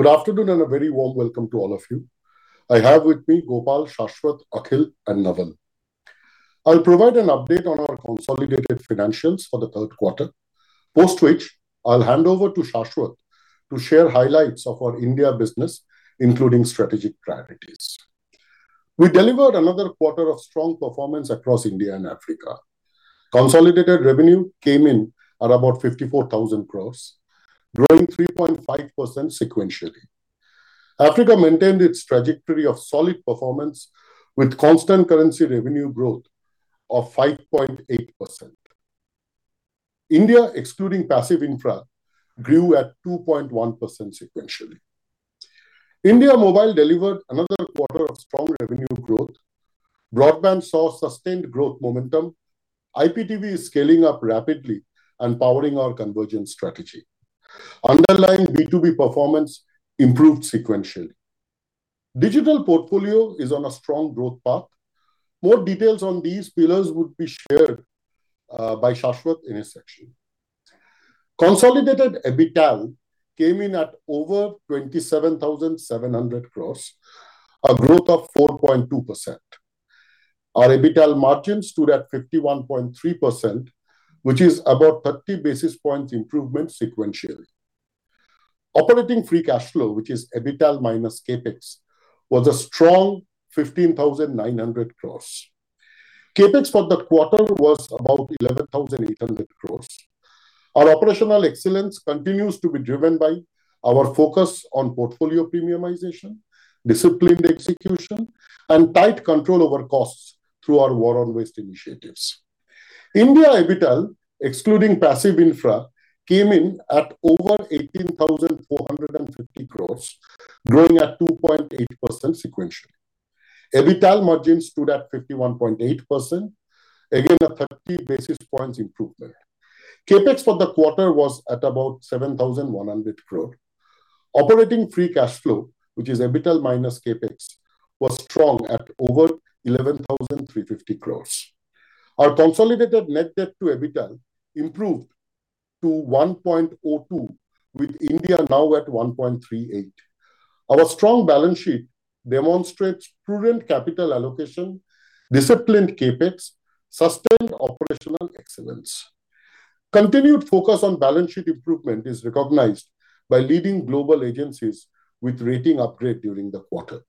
Good afternoon and a very warm welcome to all of you. I have with me Gopal, Shashwat, Akhil, and Naval. I'll provide an update on our consolidated financials for the third quarter, post-which I'll hand over to Shashwat to share highlights of our India business, including strategic priorities. We delivered another quarter of strong performance across India and Africa. Consolidated revenue came in at about 54,000 crore, growing 3.5% sequentially. Africa maintained its trajectory of solid performance with constant currency revenue growth of 5.8%. India, excluding passive infra, grew at 2.1% sequentially. India Mobile delivered another quarter of strong revenue growth. Broadband saw sustained growth momentum. IPTV is scaling up rapidly and powering our convergence strategy. Underlying B2B performance improved sequentially. Digital portfolio is on a strong growth path. More details on these pillars would be shared by Shashwat in a section. Consolidated EBITDA came in at over 27,700 crores, a growth of 4.2%. Our EBITDA margin stood at 51.3%, which is about 30 basis points improvement sequentially. Operating free cash flow, which is EBITDA minus CapEx, was a strong 15,900 crores. CapEx for the quarter was about 11,800 crores. Our operational excellence continues to be driven by our focus on portfolio premiumization, disciplined execution, and tight control over costs through our War on Waste initiatives. India EBITDA, excluding passive infra, came in at over 18,450 crores, growing at 2.8% sequentially. EBITDA margin stood at 51.8%, again a 30 basis points improvement. CapEx for the quarter was at about 7,100 crores. Operating free cash flow, which is EBITDA minus CapEx, was strong at over 11,350 crores. Our consolidated net debt to EBITDA improved to 1.02, with India now at 1.38. Our strong balance sheet demonstrates prudent capital allocation, disciplined CapEx, sustained operational excellence. Continued focus on balance sheet improvement is recognized by leading global agencies with rating upgrade during the quarter.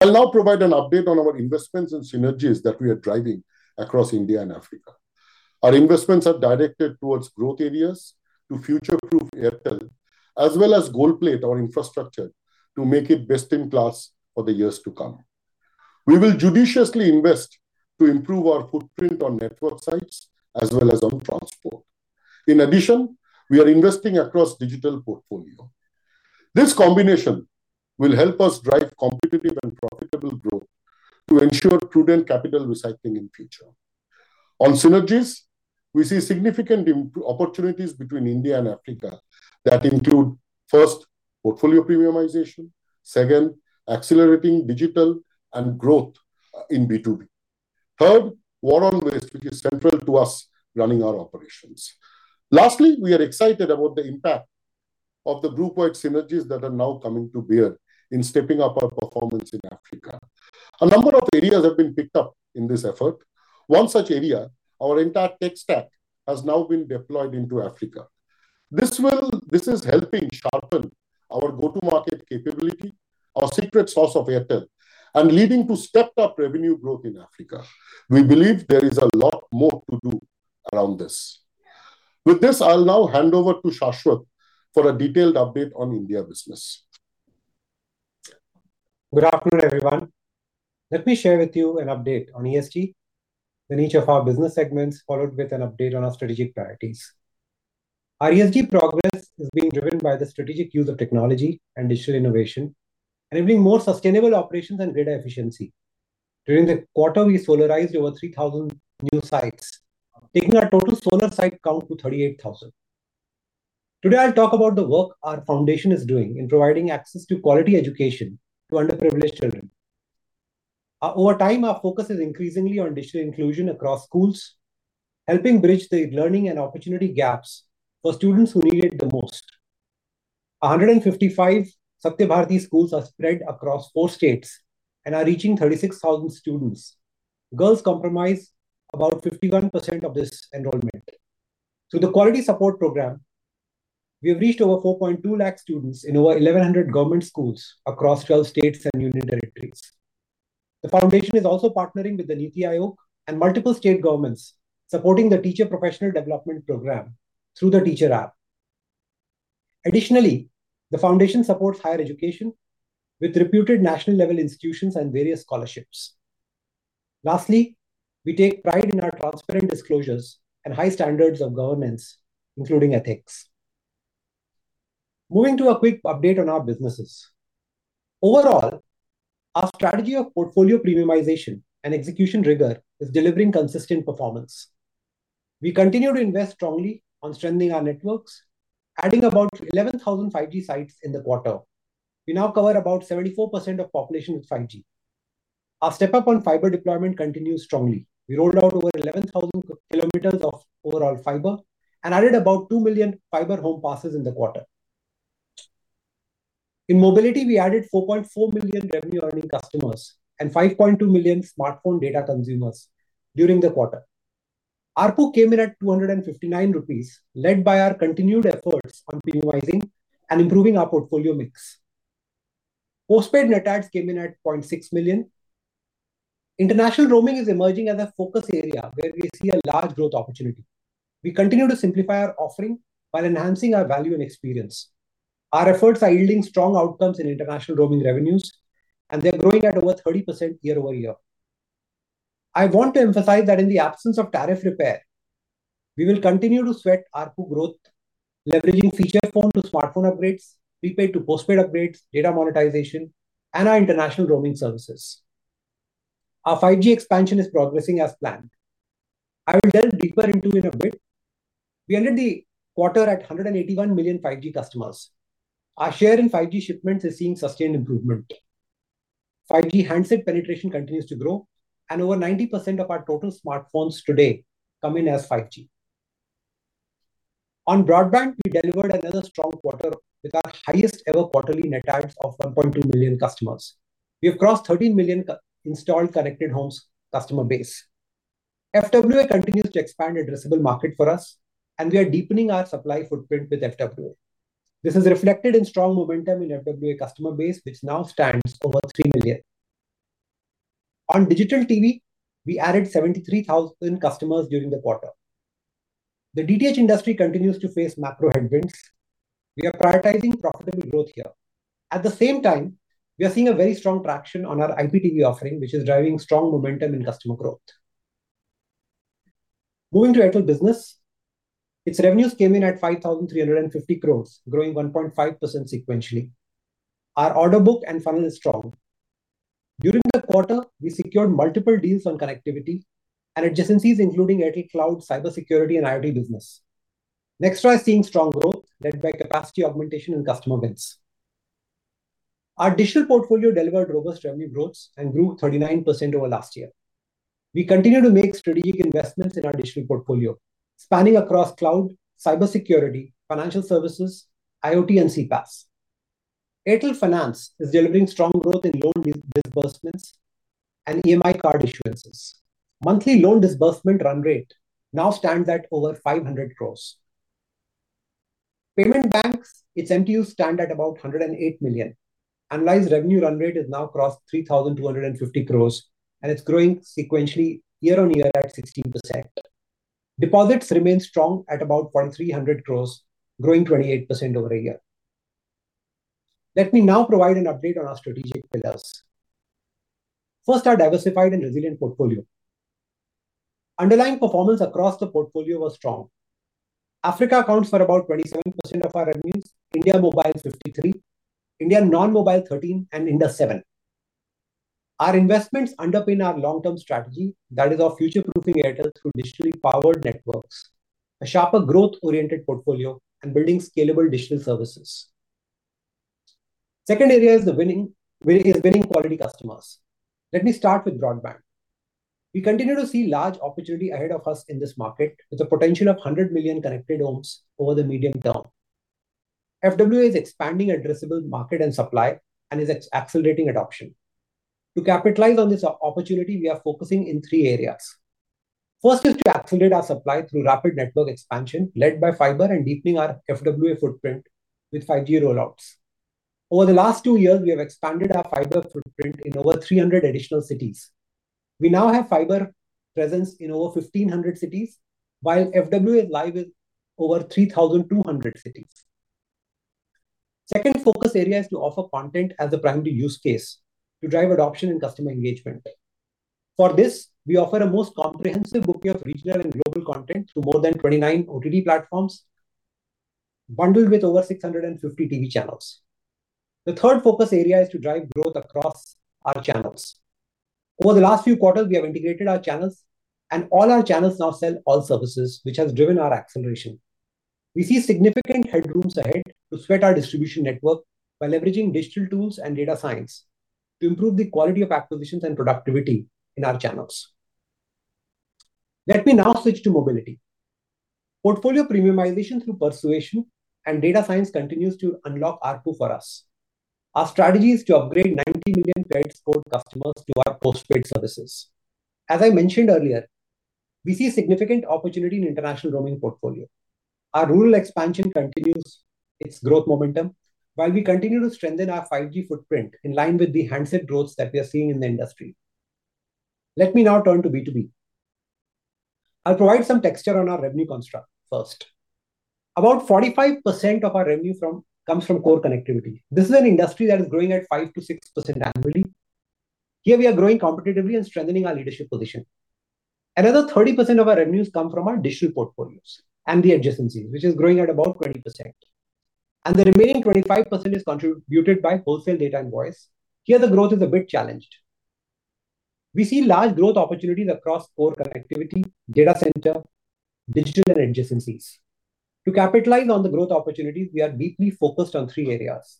I'll now provide an update on our investments and synergies that we are driving across India and Africa. Our investments are directed towards growth areas, to future-proof Airtel, as well as gold plate our infrastructure to make it best-in-class for the years to come. We will judiciously invest to improve our footprint on network sites as well as on transport. In addition, we are investing across digital portfolio. This combination will help us drive competitive and profitable growth to ensure prudent capital recycling in future. On synergies, we see significant opportunities between India and Africa that include, first, portfolio premiumization, second, accelerating digital and growth in B2B, third, War on Waste, which is central to us running our operations. Lastly, we are excited about the impact of the groupwide synergies that are now coming to bear in stepping up our performance in Africa. A number of areas have been picked up in this effort. One such area, our entire tech stack, has now been deployed into Africa. This is helping sharpen our go-to-market capability, our secret sauce of Airtel, and leading to stepped-up revenue growth in Africa. We believe there is a lot more to do around this. With this, I'll now hand over to Shashwat for a detailed update on India business. Good afternoon, everyone. Let me share with you an update on ESG, then each of our business segments, followed with an update on our strategic priorities. Our ESG progress is being driven by the strategic use of technology and digital innovation, enabling more sustainable operations and greater efficiency. During the quarter, we solarized over 3,000 new sites, taking our total solar site count to 38,000. Today, I'll talk about the work our foundation is doing in providing access to quality education to underprivileged children. Over time, our focus is increasingly on digital inclusion across schools, helping bridge the learning and opportunity gaps for students who need it the most. 155 Satya Bharti schools are spread across four states and are reaching 36,000 students. Girls comprise about 51% of this enrollment. Through the Quality Support Program, we have reached over 4.2 lakh students in over 1,100 government schools across 12 states and union territories. The foundation is also partnering with the NITI Aayog and multiple state governments, supporting the Teacher Professional Development Program through the TeacherApp. Additionally, the foundation supports higher education with reputed national-level institutions and various scholarships. Lastly, we take pride in our transparent disclosures and high standards of governance, including ethics. Moving to a quick update on our businesses. Overall, our strategy of portfolio premiumization and execution rigor is delivering consistent performance. We continue to invest strongly on strengthening our networks, adding about 11,000 5G sites in the quarter. We now cover about 74% of the population with 5G. Our step-up on fiber deployment continues strongly. We rolled out over 11,000 km of overall fiber and added about 2 million fiber home passes in the quarter. In mobility, we added 4.4 million revenue-earning customers and 5.2 million smartphone data consumers during the quarter. ARPU came in at 259 rupees, led by our continued efforts on premiumizing and improving our portfolio mix. Postpaid net adds came in at 0.6 million. International roaming is emerging as a focus area where we see a large growth opportunity. We continue to simplify our offering while enhancing our value and experience. Our efforts are yielding strong outcomes in international roaming revenues, and they're growing at over 30% year-over-year. I want to emphasize that in the absence of tariff repair, we will continue to sweat ARPU growth, leveraging feature phone-to-smartphone upgrades, prepaid-to-postpaid upgrades, data monetization, and our international roaming services. Our 5G expansion is progressing as planned. I will delve deeper into it in a bit. We entered the quarter at 181 million 5G customers. Our share in 5G shipments is seeing sustained improvement. 5G handset penetration continues to grow, and over 90% of our total smartphones today come in as 5G. On broadband, we delivered another strong quarter with our highest-ever quarterly net adds of 1.2 million customers. We have crossed 13 million installed connected homes customer base. FWA continues to expand addressable market for us, and we are deepening our supply footprint with FWA. This is reflected in strong momentum in FWA customer base, which now stands over 3 million. On digital TV, we added 73,000 customers during the quarter. The DTH industry continues to face macro headwinds. We are prioritizing profitable growth here. At the same time, we are seeing a very strong traction on our IPTV offering, which is driving strong momentum in customer growth. Moving to Airtel Business. Its revenues came in at 5,350 crore, growing 1.5% sequentially. Our order book and funnel are strong. During the quarter, we secured multiple deals on connectivity and adjacencies, including Airtel Cloud, cybersecurity, and IoT business. Nxtra is seeing strong growth led by capacity augmentation and customer wins. Our digital portfolio delivered robust revenue growths and grew 39% over last year. We continue to make strategic investments in our digital portfolio, spanning across cloud, cybersecurity, financial services, IoT, and CPaaS. Airtel Finance is delivering strong growth in loan disbursements and EMI card issuances. Monthly loan disbursement run rate now stands at over 500 crore. Payments Bank, its MTUs stand at about 108 million. Annualized revenue run rate has now crossed 3,250 crore, and it's growing sequentially year-on-year at 16%. Deposits remain strong at about 4,300 crore, growing 28% over a year. Let me now provide an update on our strategic pillars. First, our diversified and resilient portfolio. Underlying performance across the portfolio was strong. Africa accounts for about 27% of our revenues, India Mobile 53%, India Non-Mobile 13%, and India 7%. Our investments underpin our long-term strategy that is of future-proofing Airtel through digitally powered networks, a sharper growth-oriented portfolio, and building scalable digital services. The second area is winning quality customers. Let me start with broadband. We continue to see large opportunity ahead of us in this market with the potential of 100 million connected homes over the medium term. FWA is expanding addressable market and supply and is accelerating adoption. To capitalize on this opportunity, we are focusing in three areas. First is to accelerate our supply through rapid network expansion led by fiber and deepening our FWA footprint with 5G rollouts. Over the last two years, we have expanded our fiber footprint in over 300 additional cities. We now have fiber presence in over 1,500 cities, while FWA is live in over 3,200 cities. The second focus area is to offer content as a primary use case to drive adoption and customer engagement. For this, we offer a most comprehensive booking of regional and global content to more than 29 OTT platforms, bundled with over 650 TV channels. The third focus area is to drive growth across our channels. Over the last few quarters, we have integrated our channels, and all our channels now sell all services, which has driven our acceleration. We see significant headroom ahead to sweat our distribution network while leveraging digital tools and data science to improve the quality of acquisitions and productivity in our channels. Let me now switch to mobility. Portfolio premiumization through persuasion and data science continues to unlock ARPU for us. Our strategy is to upgrade 90 million credit-scored customers to our postpaid services. As I mentioned earlier, we see significant opportunity in the international roaming portfolio. Our rural expansion continues its growth momentum, while we continue to strengthen our 5G footprint in line with the handset growths that we are seeing in the industry. Let me now turn to B2B. I'll provide some texture on our revenue construct first. About 45% of our revenue comes from core connectivity. This is an industry that is growing at 5%-6% annually. Here, we are growing competitively and strengthening our leadership position. Another 30% of our revenues come from our digital portfolios and the adjacencies, which is growing at about 20%. And the remaining 25% is contributed by wholesale data income. Here, the growth is a bit challenged. We see large growth opportunities across core connectivity, data center, digital, and adjacencies. To capitalize on the growth opportunities, we are deeply focused on three areas.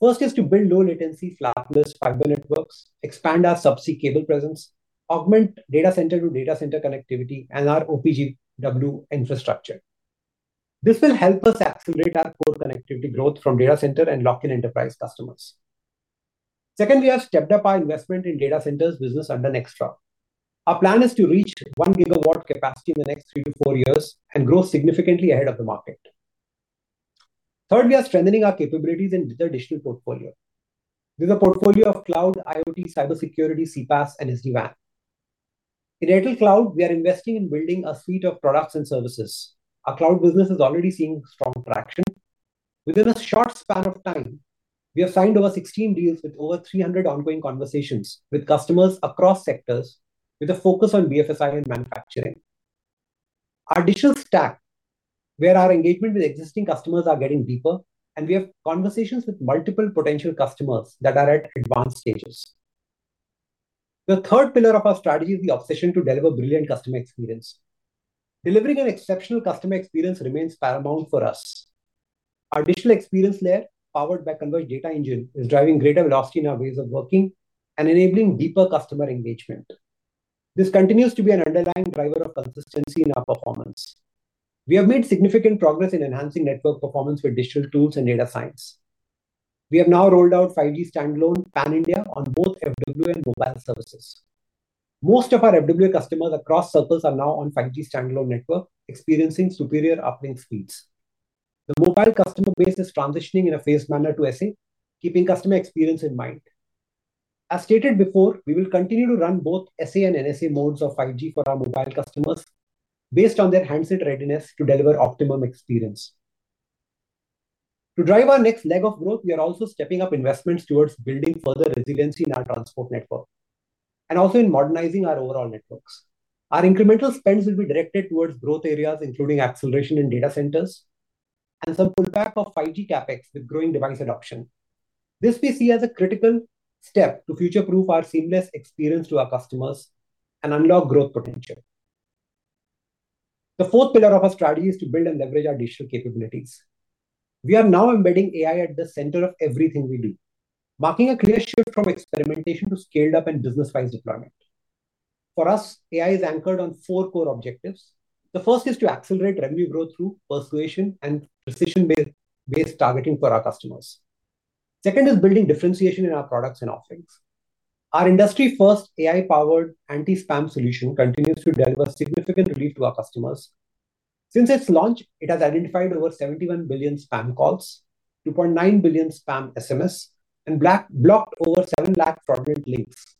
First is to build low-latency, flapless fiber networks, expand our subsea cable presence, augment data center-to-data center connectivity, and our OPGW infrastructure. This will help us accelerate our core connectivity growth from data center and lock-in enterprise customers. Second, we have stepped up our investment in data centers business under Nxtra. Our plan is to reach 1 gigawatt capacity in the next three to four years and grow significantly ahead of the market. Third, we are strengthening our capabilities in the digital portfolio. This is a portfolio of cloud, IoT, cybersecurity, CPaaS, and SD-WAN. In Airtel Cloud, we are investing in building a suite of products and services. Our cloud business is already seeing strong traction. Within a short span of time, we have signed over 16 deals with over 300 ongoing conversations with customers across sectors, with a focus on BFSI and manufacturing. Our digital stack, where our engagement with existing customers is getting deeper, and we have conversations with multiple potential customers that are at advanced stages. The third pillar of our strategy is the obsession to deliver brilliant customer experience. Delivering an exceptional customer experience remains paramount for us. Our digital experience layer, powered by Converged Data Engine, is driving greater velocity in our ways of working and enabling deeper customer engagement. This continues to be an underlying driver of consistency in our performance. We have made significant progress in enhancing network performance with digital tools and data science. We have now rolled out 5G Standalone pan-India on both FWA and mobile services. Most of our FWA customers across circles are now on 5G standalone network, experiencing superior uplink speeds. The mobile customer base is transitioning in a phased manner to SA, keeping customer experience in mind. As stated before, we will continue to run both SA and NSA modes of 5G for our mobile customers, based on their handset readiness to deliver optimum experience. To drive our next leg of growth, we are also stepping up investments towards building further resiliency in our transport network and also in modernizing our overall networks. Our incremental spends will be directed towards growth areas, including acceleration in data centers and some pullback of 5G CapEx with growing device adoption. This we see as a critical step to future-proof our seamless experience to our customers and unlock growth potential. The fourth pillar of our strategy is to build and leverage our digital capabilities. We are now embedding AI at the center of everything we do, marking a clear shift from experimentation to scaled-up and business-wise deployment. For us, AI is anchored on four core objectives. The first is to accelerate revenue growth through persuasion and precision-based targeting for our customers. The second is building differentiation in our products and offerings. Our industry-first AI-powered anti-spam solution continues to deliver significant relief to our customers. Since its launch, it has identified over 71 billion spam calls, 2.9 billion spam SMS, and blocked over 7 lakh fraudulent links.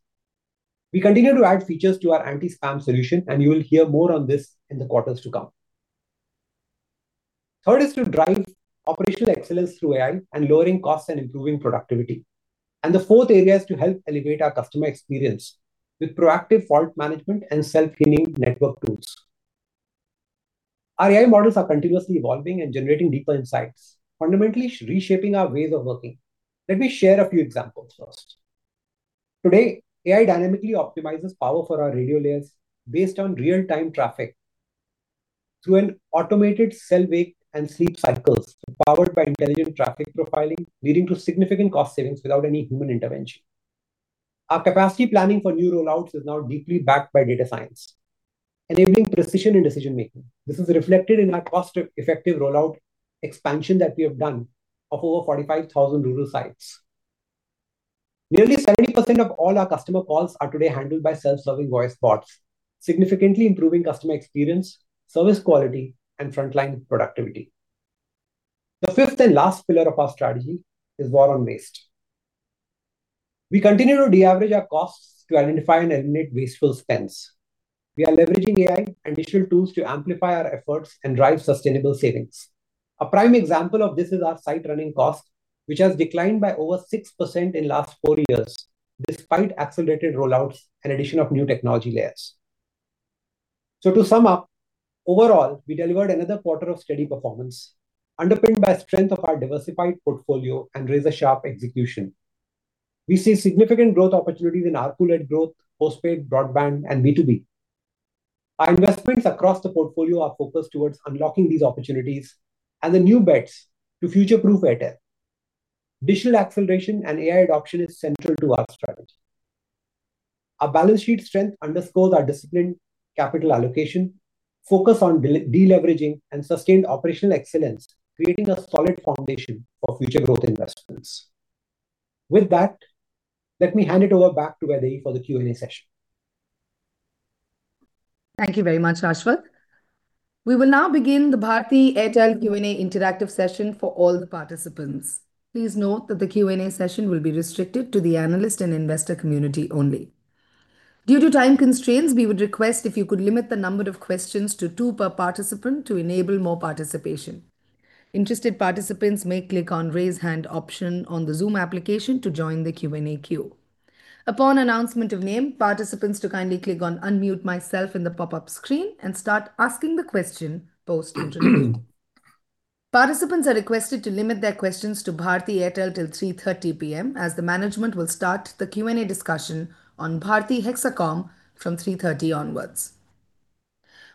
We continue to add features to our anti-spam solution, and you will hear more on this in the quarters to come. The third is to drive operational excellence through AI and lowering costs and improving productivity. And the fourth area is to help elevate our customer experience with proactive fault management and self-healing network tools. Our AI models are continuously evolving and generating deeper insights, fundamentally reshaping our ways of working. Let me share a few examples first. Today, AI dynamically optimizes power for our radio layers based on real-time traffic through automated cell wake and sleep cycles, powered by intelligent traffic profiling, leading to significant cost savings without any human intervention. Our capacity planning for new rollouts is now deeply backed by data science, enabling precision in decision-making. This is reflected in our cost-effective rollout expansion that we have done of over 45,000 rural sites. Nearly 70% of all our customer calls are today handled by self-serving voice bots, significantly improving customer experience, service quality, and frontline productivity. The fifth and last pillar of our strategy is War on Waste. We continue to de-average our costs to identify and eliminate wasteful spends. We are leveraging AI and digital tools to amplify our efforts and drive sustainable savings. A prime example of this is our site running cost, which has declined by over 6% in the last four years, despite accelerated rollouts and the addition of new technology layers. So, to sum up, overall, we delivered another quarter of steady performance, underpinned by the strength of our diversified portfolio and razor-sharp execution. We see significant growth opportunities in ARPU-led growth, postpaid, broadband, and B2B. Our investments across the portfolio are focused towards unlocking these opportunities and the new bets to future-proof Airtel. Digital acceleration and AI adoption are central to our strategy. Our balance sheet strength underscores our disciplined capital allocation, focus on de-leveraging, and sustained operational excellence, creating a solid foundation for future growth investments. With that, let me hand it over back to Vidhi for the Q&A session. Thank you very much, ShShashwat. We will now begin the Bharti Airtel Q&A interactive session for all the participants. Please note that the Q&A session will be restricted to the analyst and investor community only. Due to time constraints, we would request if you could limit the number of questions to two per participant to enable more participation. Interested participants may click on the raise hand option on the Zoom application to join the Q&A queue. Upon announcement of name, participants to kindly click on unmute myself in the pop-up screen and start asking the question post-interview. Participants are requested to limit their questions to Bharti Airtel till 3:30 P.M., as the management will start the Q&A discussion on Bharti Hexacom from 3:30 P.M. onwards.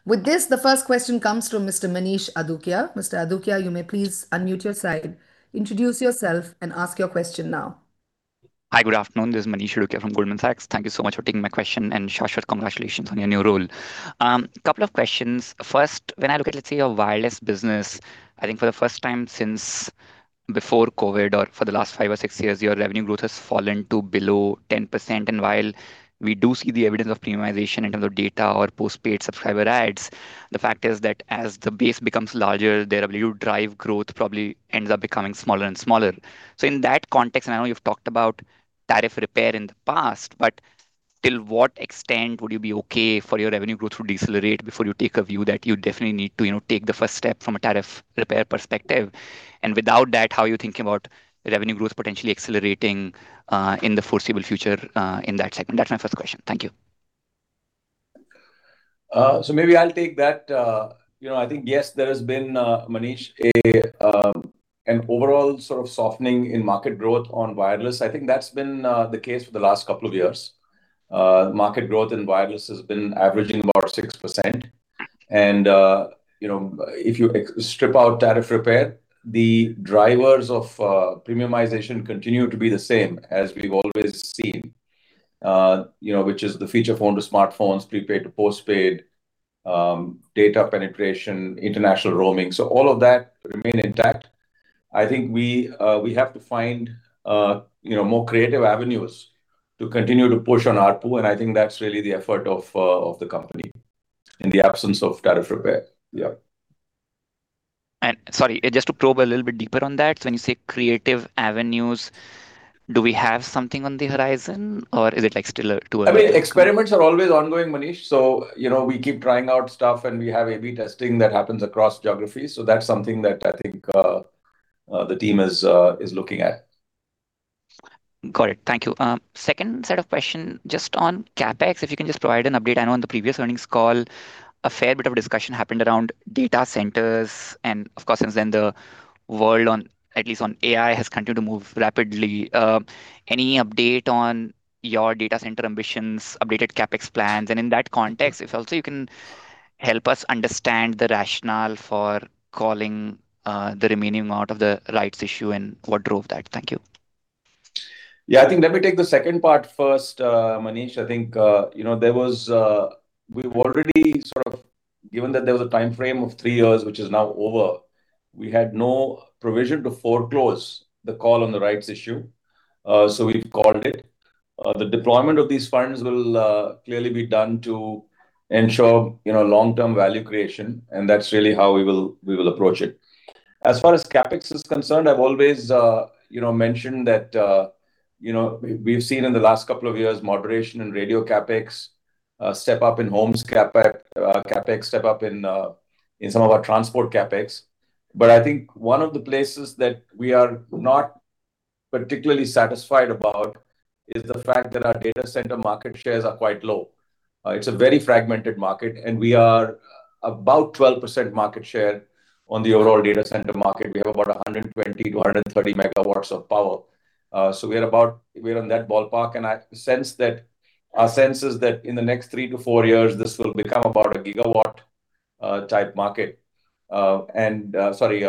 With this, the first question comes from Mr. Manish Adukia. Mr. Adukia, you may please unmute your side, introduce yourself, and ask your question now. Hi, good afternoon. This is Manish Adukia from Goldman Sachs. Thank you so much for taking my question, and Shashwat, congratulations on your new role. A couple of questions. First, when I look at, let's say, your wireless business, I think for the first time since before COVID or for the last five or six years, your revenue growth has fallen to below 10%. And while we do see the evidence of premiumization in terms of data or postpaid subscriber ads, the fact is that as the base becomes larger, their ability to drive growth probably ends up becoming smaller and smaller. So, in that context, and I know you've talked about tariff repair in the past, but till what extent would you be okay for your revenue growth to decelerate before you take a view that you definitely need to take the first step from a tariff repair perspective? Without that, how are you thinking about revenue growth potentially accelerating in the foreseeable future in that segment? That's my first question. Thank you. So maybe I'll take that. You know, I think, yes, there has been, Manish, an overall sort of softening in market growth on wireless. I think that's been the case for the last couple of years. Market growth in wireless has been averaging about 6%. And if you strip out tariff repair, the drivers of premiumization continue to be the same as we've always seen, which is the feature-phone to smartphones, prepaid to postpaid, data penetration, international roaming. So, all of that remains intact. I think we have to find more creative avenues to continue to push on ARPU, and I think that's really the effort of the company in the absence of tariff repair. Yeah. Sorry, just to probe a little bit deeper on that, when you say creative avenues, do we have something on the horizon, or is it still too early? I mean, experiments are always ongoing, Manish. So, you know, we keep trying out stuff, and we have A/B testing that happens across geographies. So, that's something that I think the team is looking at. Got it. Thank you. Second set of questions just on CapEx, if you can just provide an update. I know in the previous earnings call, a fair bit of discussion happened around data centers. And, of course, since then, the world, at least on AI, has continued to move rapidly. Any update on your data center ambitions, updated CapEx plans? And in that context, if also, you can help us understand the rationale for calling the remaining amount of the rights issue and what drove that. Thank you. Yeah, I think let me take the second part first, Manish. I think, you know, there was, we've already sort of given that there was a time frame of three years, which is now over, we had no provision to foreclose the call on the rights issue. So, we've called it. The deployment of these funds will clearly be done to ensure long-term value creation, and that's really how we will approach it. As far as CapEx is concerned, I've always mentioned that we've seen in the last couple of years moderation in radio CapEx, step-up-in-homes CapEx, step-up in some of our transport CapEx. But I think one of the places that we are not particularly satisfied about is the fact that our data center market shares are quite low. It's a very fragmented market, and we are about 12% market share on the overall data center market. We have about 120-130 MW of power. So, we're in that ballpark. And our sense is that in the next three-four years, this will become about a 1 GW-type market. And sorry,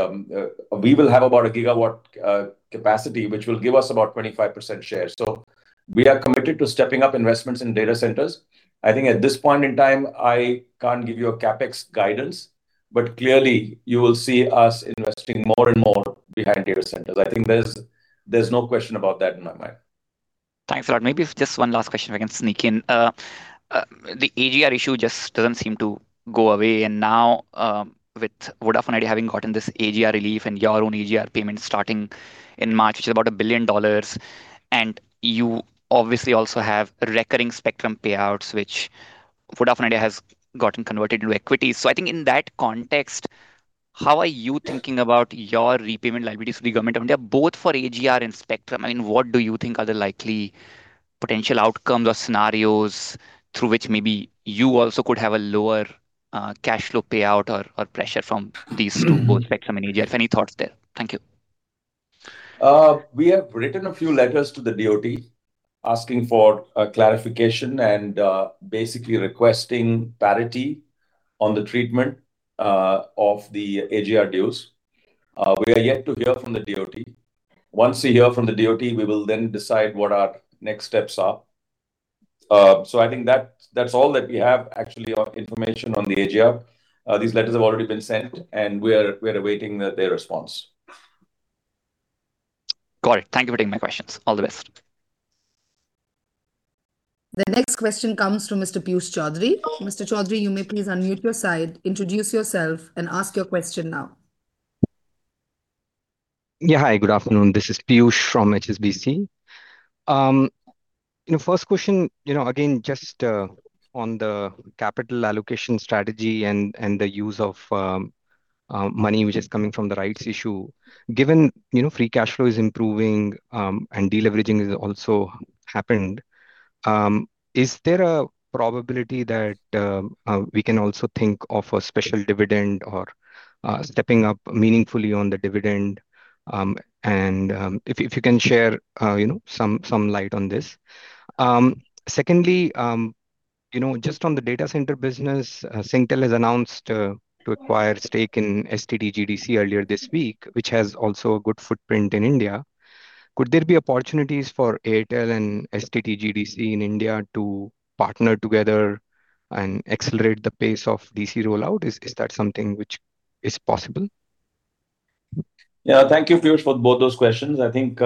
we will have about 1 GW capacity, which will give us about 25% share. So, we are committed to stepping up investments in data centers. I think at this point in time, I can't give you a CapEx guidance, but clearly, you will see us investing more and more behind data centers. I think there's no question about that in my mind. Thanks a lot. Maybe just one last question if I can sneak in. The AGR issue just doesn't seem to go away. And now, with Vodafone Idea having gotten this AGR relief and your own AGR payment starting in March, which is about $1 billion, and you obviously also have recurring spectrum payouts, which Vodafone Idea has gotten converted into equities. So, I think in that context, how are you thinking about your repayment liabilities to the Government of India, both for AGR and spectrum? I mean, what do you think are the likely potential outcomes or scenarios through which maybe you also could have a lower cash flow payout or pressure from these two spectrum and AGR? If any thoughts there, thank you. We have written a few letters to the DoT asking for clarification and basically requesting parity on the treatment of the AGR dues. We are yet to hear from the DoT. Once we hear from the DoT, we will then decide what our next steps are. So, I think that's all that we have, actually, information on the AGR. These letters have already been sent, and we are awaiting their response. Got it. Thank you for taking my questions. All the best. The next question comes from Mr. Piyush Choudhary. Mr. Choudhary, you may please unmute your side, introduce yourself, and ask your question now. Yeah, hi, good afternoon. This is Piyush from HSBC. First question, again, just on the capital allocation strategy and the use of money, which is coming from the rights issue. Given free cash flow is improving and de-leveraging has also happened, is there a probability that we can also think of a special dividend or stepping up meaningfully on the dividend? And if you can share some light on this. Secondly, just on the data center business, Singtel has announced to acquire a stake in STT GDC earlier this week, which has also a good footprint in India. Could there be opportunities for Airtel and STT GDC in India to partner together and accelerate the pace of DC rollout? Is that something which is possible? Yeah, thank you, Piyush, for both those questions. I think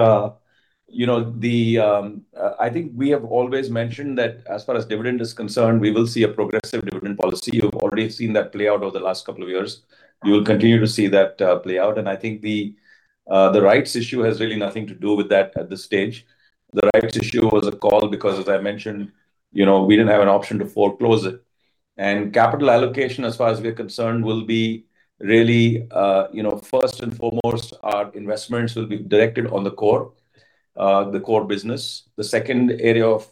we have always mentioned that as far as dividend is concerned, we will see a progressive dividend policy. You've already seen that play out over the last couple of years. You will continue to see that play out. I think the rights issue has really nothing to do with that at this stage. The rights issue was a call because, as I mentioned, we didn't have an option to foreclose it. Capital allocation, as far as we're concerned, will be really first and foremost, our investments will be directed on the core, the core business. The second area of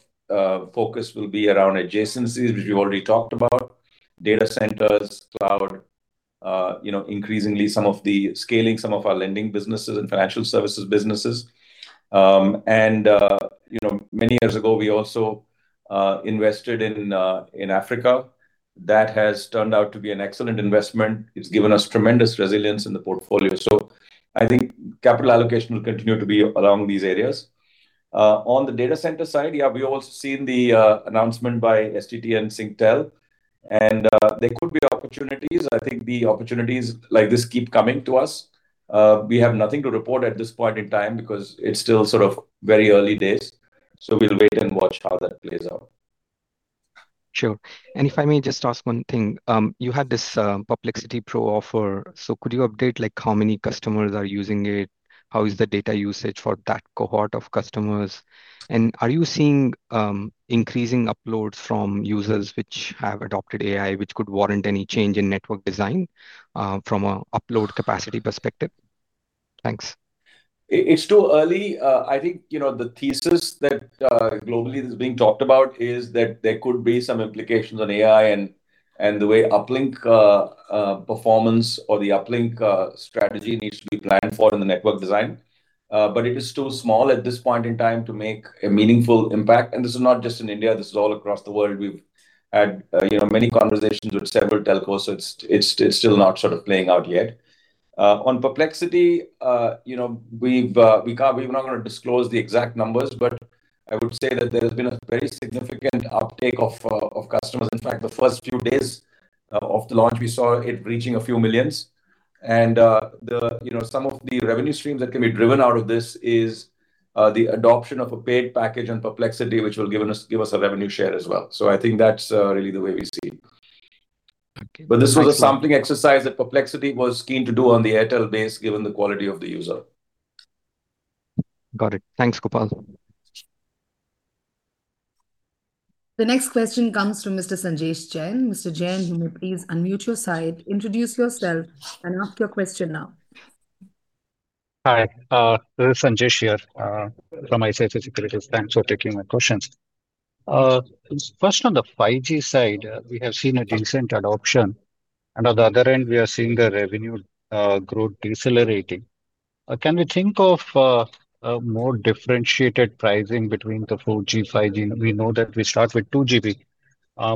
focus will be around adjacencies, which we've already talked about: data centers, cloud, increasingly some of the scaling some of our lending businesses and financial services businesses. Many years ago, we also invested in Africa. That has turned out to be an excellent investment. It's given us tremendous resilience in the portfolio. So, I think capital allocation will continue to be along these areas. On the data center side, yeah, we've also seen the announcement by STT and Singtel. There could be opportunities. I think the opportunities like this keep coming to us. We have nothing to report at this point in time because it's still sort of very early days. So, we'll wait and watch how that plays out. Sure. And if I may just ask one thing, you had this Perplexity Pro offer. So, could you update how many customers are using it? How is the data usage for that cohort of customers? And are you seeing increasing uploads from users which have adopted AI, which could warrant any change in network design from an upload capacity perspective? Thanks. It's too early. I think the thesis that globally is being talked about is that there could be some implications on AI and the way uplink performance or the uplink strategy needs to be planned for in the network design. But it is too small at this point in time to make a meaningful impact. And this is not just in India. This is all across the world. We've had many conversations with several telcos. So, it's still not sort of playing out yet. On Perplexity, we're not going to disclose the exact numbers, but I would say that there has been a very significant uptake of customers. In fact, the first few days of the launch, we saw it reaching a few million. And some of the revenue streams that can be driven out of this is the adoption of a paid package on Perplexity, which will give us a revenue share as well. So, I think that's really the way we see it. But this was a sampling exercise that Perplexity was keen to do on the Airtel base, given the quality of the user. Got it. Thanks, Gopal. The next question comes from Mr. Sanjay Jain. Mr. Jain, you may please unmute your side, introduce yourself, and ask your question now. Hi, this is Sanjay Jain from ICICI Securities. Thanks for taking my questions. First, on the 5G side, we have seen a decent adoption. On the other end, we are seeing the revenue growth decelerating. Can we think of more differentiated pricing between the 4G, 5G? We know that we start with 2GB,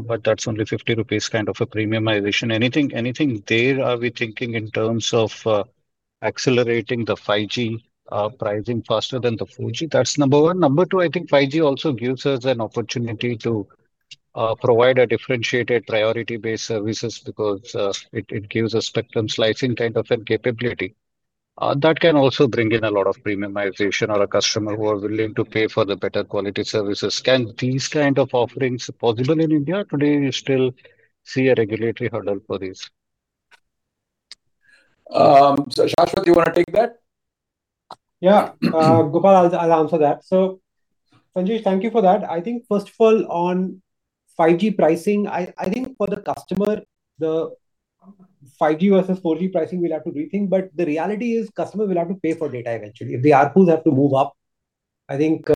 but that's only 50 rupees kind of a premiumization. Anything there are we thinking in terms of accelerating the 5G pricing faster than the 4G? That's number one. Number two, I think 5G also gives us an opportunity to provide differentiated priority-based services because it gives a spectrum slicing kind of capability. That can also bring in a lot of premiumization or a customer who is willing to pay for the better quality services. Can these kinds of offerings be possible in India? Today, you still see a regulatory hurdle for these. Shashwat, do you want to take that? Yeah, Gopal, I'll answer that. So, Sanjay, thank you for that. I think, first of all, on 5G pricing, I think for the customer, the 5G versus 4G pricing, we'll have to rethink. But the reality is customers will have to pay for data eventually. If the ARPUs have to move up, I think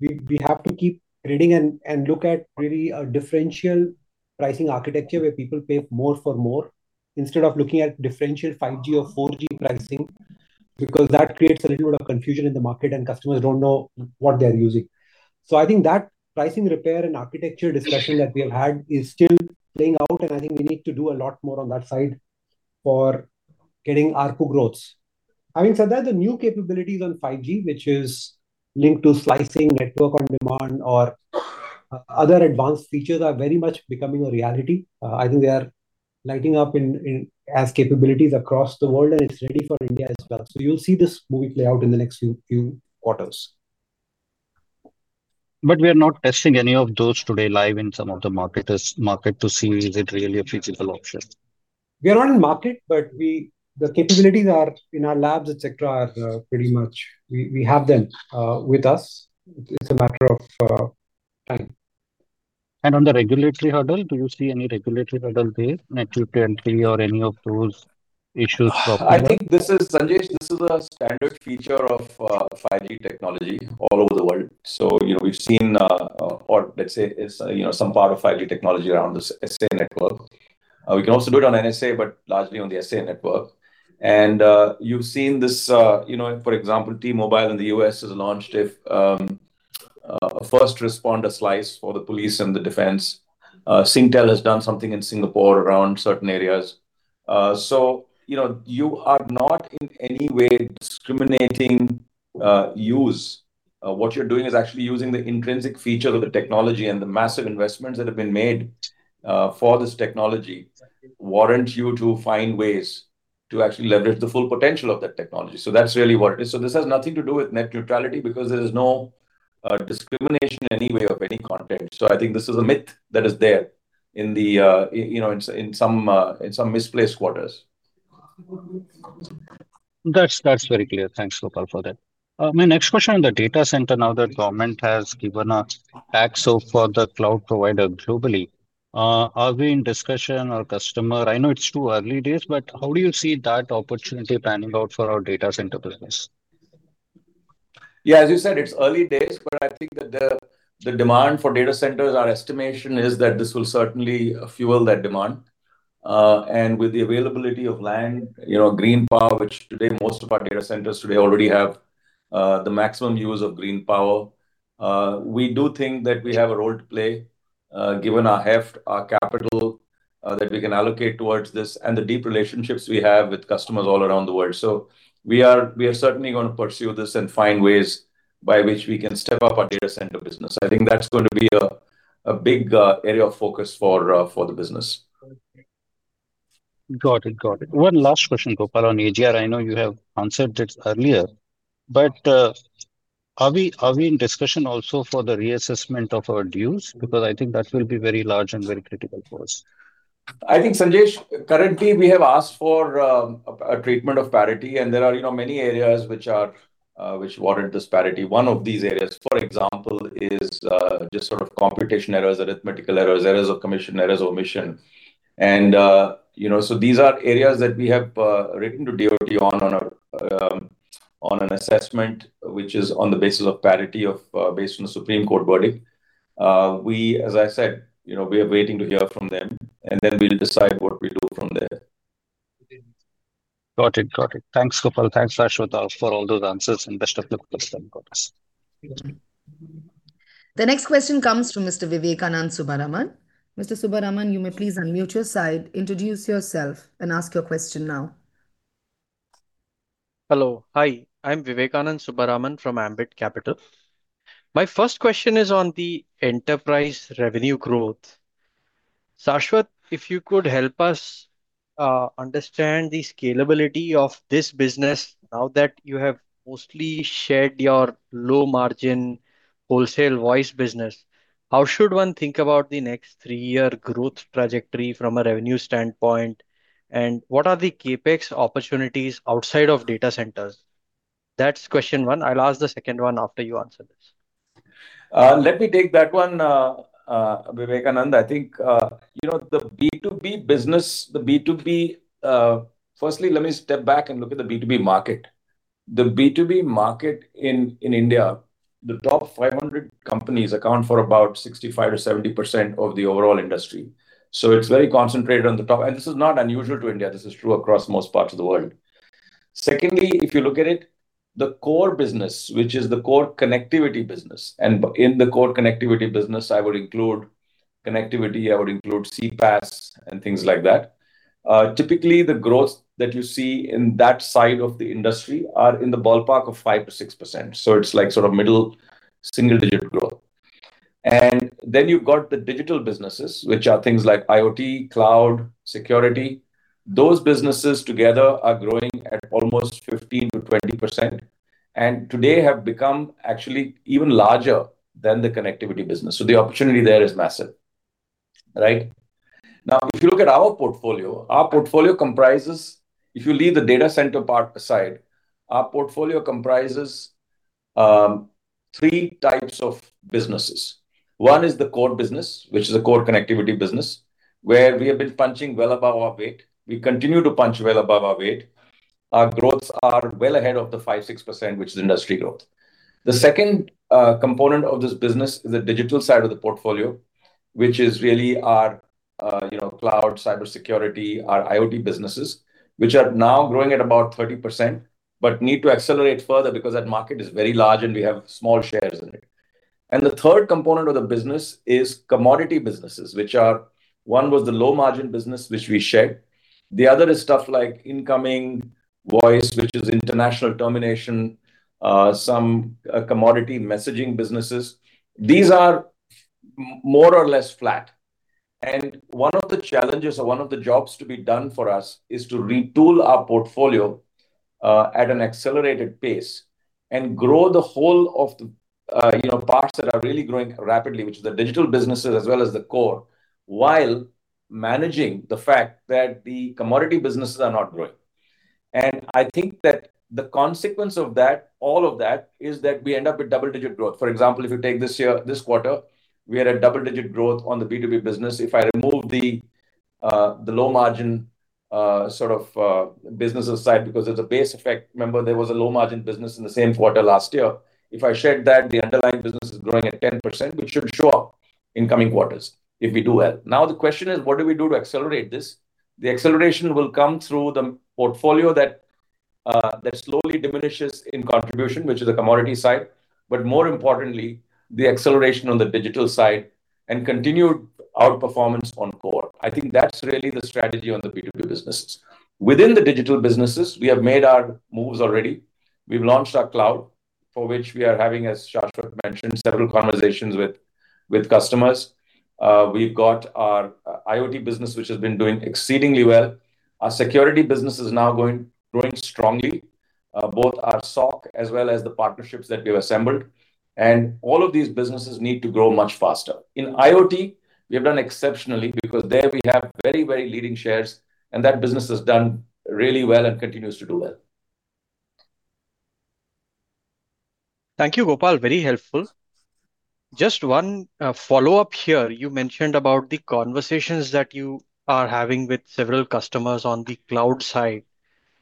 we have to keep reading and look at really a differential pricing architecture where people pay more for more instead of looking at differential 5G or 4G pricing because that creates a little bit of confusion in the market, and customers don't know what they're using. So, I think that pricing repair and architecture discussion that we have had is still playing out. And I think we need to do a lot more on that side for getting ARPU growths. Having said that, the new capabilities on 5G, which is linked to slicing network on demand or other advanced features, are very much becoming a reality. I think they are lighting up as capabilities across the world, and it's ready for India as well. So, you'll see this movie play out in the next few quarters. But we are not testing any of those today live in some of the market to see is it really a feasible option? We are not in market, but the capabilities in our labs, etc., are pretty much we have them with us. It's a matter of time. On the regulatory hurdle, do you see any regulatory hurdle there? Network entry or any of those issues? I think this is Sanjay, this is a standard feature of 5G technology all over the world. So, we've seen or let's say some part of 5G technology around this SA network. We can also do it on NSA, but largely on the SA network. And you've seen this, for example, T-Mobile in the US has launched a first responder slice for the police and the defense. Singtel has done something in Singapore around certain areas. So, you are not in any way discriminating use. What you're doing is actually using the intrinsic feature of the technology and the massive investments that have been made for this technology warrant you to find ways to actually leverage the full potential of that technology. So, that's really what it is. So, this has nothing to do with net neutrality because there is no discrimination anyway of any content. I think this is a myth that is there in some misplaced quarters. That's very clear. Thanks, Gopal, for that. My next question on the data center, now that government has given a tax off for the cloud provider globally, are we in discussion or customer? I know it's too early days, but how do you see that opportunity panning out for our data center business? Yeah, as you said, it's early days, but I think that the demand for data centers, our estimation is that this will certainly fuel that demand. And with the availability of land, green power, which today most of our data centers today already have the maximum use of green power, we do think that we have a role to play given our heft, our capital that we can allocate towards this, and the deep relationships we have with customers all around the world. So, we are certainly going to pursue this and find ways by which we can step up our data center business. I think that's going to be a big area of focus for the business. Got it, got it. One last question, Gopal, on AGR. I know you have answered it earlier. But are we in discussion also for the reassessment of our dues? Because I think that will be very large and very critical for us. I think, Sanjay, currently, we have asked for a treatment of parity. There are many areas which warrant this parity. One of these areas, for example, is just sort of computation errors, arithmetical errors, errors of commission, errors of omission. So, these are areas that we have written to DoT on an assessment which is on the basis of parity based on the Supreme Court verdict. As I said, we are waiting to hear from them, and then we'll decide what we do from there. Got it, got it. Thanks, Gopal. Thanks, Shashwat, for all those answers. Best of luck with them. The next question comes from Mr. Vivekanand Subbaraman. Mr. Subbaraman, you may please unmute your side, introduce yourself, and ask your question now. Hello, hi. I'm Vivekanand Subbaraman from Ambit Capital. My first question is on the enterprise revenue growth. Shashwat, if you could help us understand the scalability of this business now that you have mostly shared your low-margin wholesale voice business, how should one think about the next three-year growth trajectory from a revenue standpoint? And what are the CapEx opportunities outside of data centers? That's question one. I'll ask the second one after you answer this. Let me take that one, Vivekanand. I think the B2B business, the B2B firstly, let me step back and look at the B2B market. The B2B market in India, the top 500 companies account for about 65%-70% of the overall industry. So, it's very concentrated on the top. And this is not unusual to India. This is true across most parts of the world. Secondly, if you look at it, the core business, which is the core connectivity business and in the core connectivity business, I would include connectivity, I would include CPaaS and things like that. Typically, the growth that you see in that side of the industry are in the ballpark of 5%-6%. So, it's like sort of middle single-digit growth. And then you've got the digital businesses, which are things like IoT, cloud, security. Those businesses together are growing at almost 15%-20% and today have become actually even larger than the connectivity business. So, the opportunity there is massive, right? Now, if you look at our portfolio, our portfolio comprises if you leave the data center part aside, our portfolio comprises three types of businesses. One is the core business, which is a core connectivity business, where we have been punching well above our weight. We continue to punch well above our weight. Our growths are well ahead of the 5%-6%, which is industry growth. The second component of this business is the digital side of the portfolio, which is really our cloud, cybersecurity, our IoT businesses, which are now growing at about 30% but need to accelerate further because that market is very large and we have small shares in it. The third component of the business is commodity businesses, which are one was the low-margin business, which we shared. The other is stuff like incoming voice, which is international termination, some commodity messaging businesses. These are more or less flat. One of the challenges or one of the jobs to be done for us is to retool our portfolio at an accelerated pace and grow the whole of the parts that are really growing rapidly, which are the digital businesses as well as the core, while managing the fact that the commodity businesses are not growing. I think that the consequence of all of that is that we end up with double-digit growth. For example, if you take this quarter, we are at double-digit growth on the B2B business. If I remove the low-margin sort of business aside because there's a base effect, remember, there was a low-margin business in the same quarter last year. If I shared that, the underlying business is growing at 10%, which should show up in coming quarters if we do well. Now, the question is, what do we do to accelerate this? The acceleration will come through the portfolio that slowly diminishes in contribution, which is the commodity side. But more importantly, the acceleration on the digital side and continued outperformance on core. I think that's really the strategy on the B2B businesses. Within the digital businesses, we have made our moves already. We've launched our cloud, for which we are having, as Shashwat mentioned, several conversations with customers. We've got our IoT business, which has been doing exceedingly well. Our security business is now growing strongly, both our SOC as well as the partnerships that we have assembled. All of these businesses need to grow much faster. In IoT, we have done exceptionally because there we have very, very leading shares. That business has done really well and continues to do well. Thank you, Gopal, very helpful. Just one follow-up here. You mentioned about the conversations that you are having with several customers on the cloud side.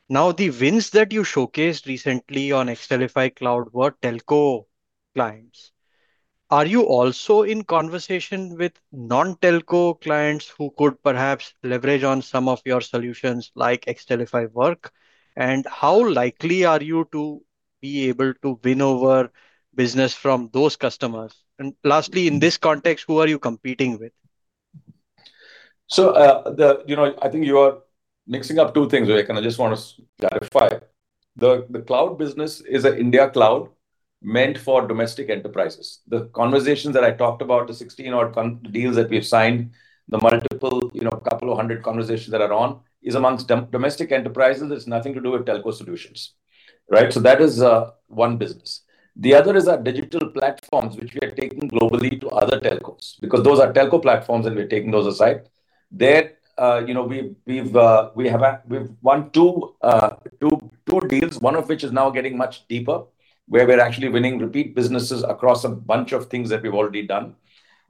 Now, the wins that you showcased recently on Xtelify Cloud were telco clients. Are you also in conversation with non-telco clients who could perhaps leverage on some of your solutions like Xtelify Work? And how likely are you to be able to win over business from those customers? And lastly, in this context, who are you competing with? So, I think you are mixing up two things, Vivekanand. I just want to clarify. The cloud business is an India cloud meant for domestic enterprises. The conversations that I talked about, the 16-odd deals that we've signed, the multiple couple of 100 conversations that are on, is amongst domestic enterprises. It has nothing to do with telco solutions, right? So, that is one business. The other is our digital platforms, which we are taking globally to other telcos because those are telco platforms, and we're taking those aside. We've won two deals, one of which is now getting much deeper, where we're actually winning repeat businesses across a bunch of things that we've already done.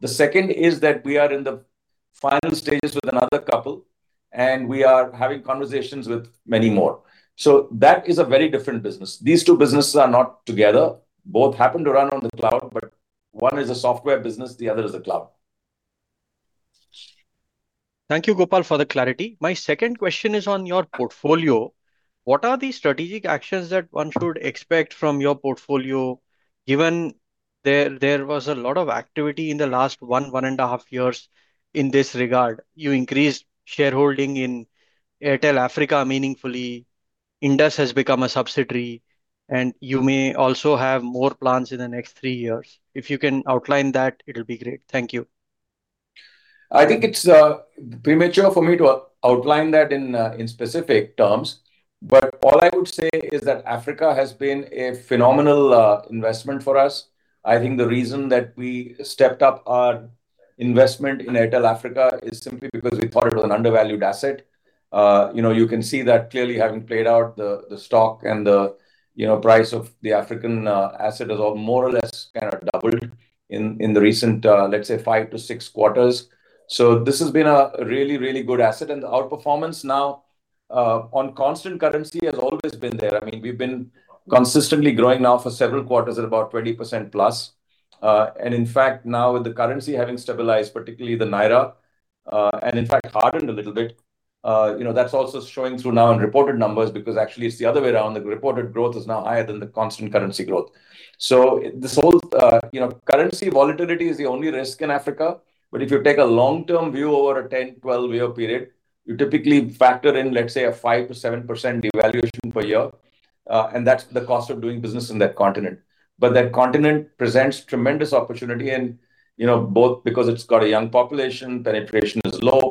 The second is that we are in the final stages with another couple, and we are having conversations with many more. So, that is a very different business. These two businesses are not together. Both happen to run on the cloud, but one is a software business, the other is a cloud. Thank you, Gopal, for the clarity. My second question is on your portfolio. What are the strategic actions that one should expect from your portfolio given there was a lot of activity in the last one and a half years in this regard? You increased shareholding in Airtel Africa meaningfully. Indus has become a subsidiary. You may also have more plans in the next three years. If you can outline that, it'll be great. Thank you. I think it's premature for me to outline that in specific terms. But all I would say is that Africa has been a phenomenal investment for us. I think the reason that we stepped up our investment in Airtel Africa is simply because we thought it was an undervalued asset. You can see that clearly having played out, the stock and the price of the African asset has all more or less kind of doubled in the recent, let's say, 5-6 quarters. So, this has been a really, really good asset. And the outperformance now on constant currency has always been there. I mean, we've been consistently growing now for several quarters at about 20%+. In fact, now with the currency having stabilized, particularly the Naira, and in fact, hardened a little bit, that's also showing through now in reported numbers because actually, it's the other way around. The reported growth is now higher than the constant currency growth. So, this whole currency volatility is the only risk in Africa. But if you take a long-term view over a 10- or 12-year period, you typically factor in, let's say, a 5%-7% devaluation per year. And that's the cost of doing business in that continent. But that continent presents tremendous opportunity both because it's got a young population, penetration is low,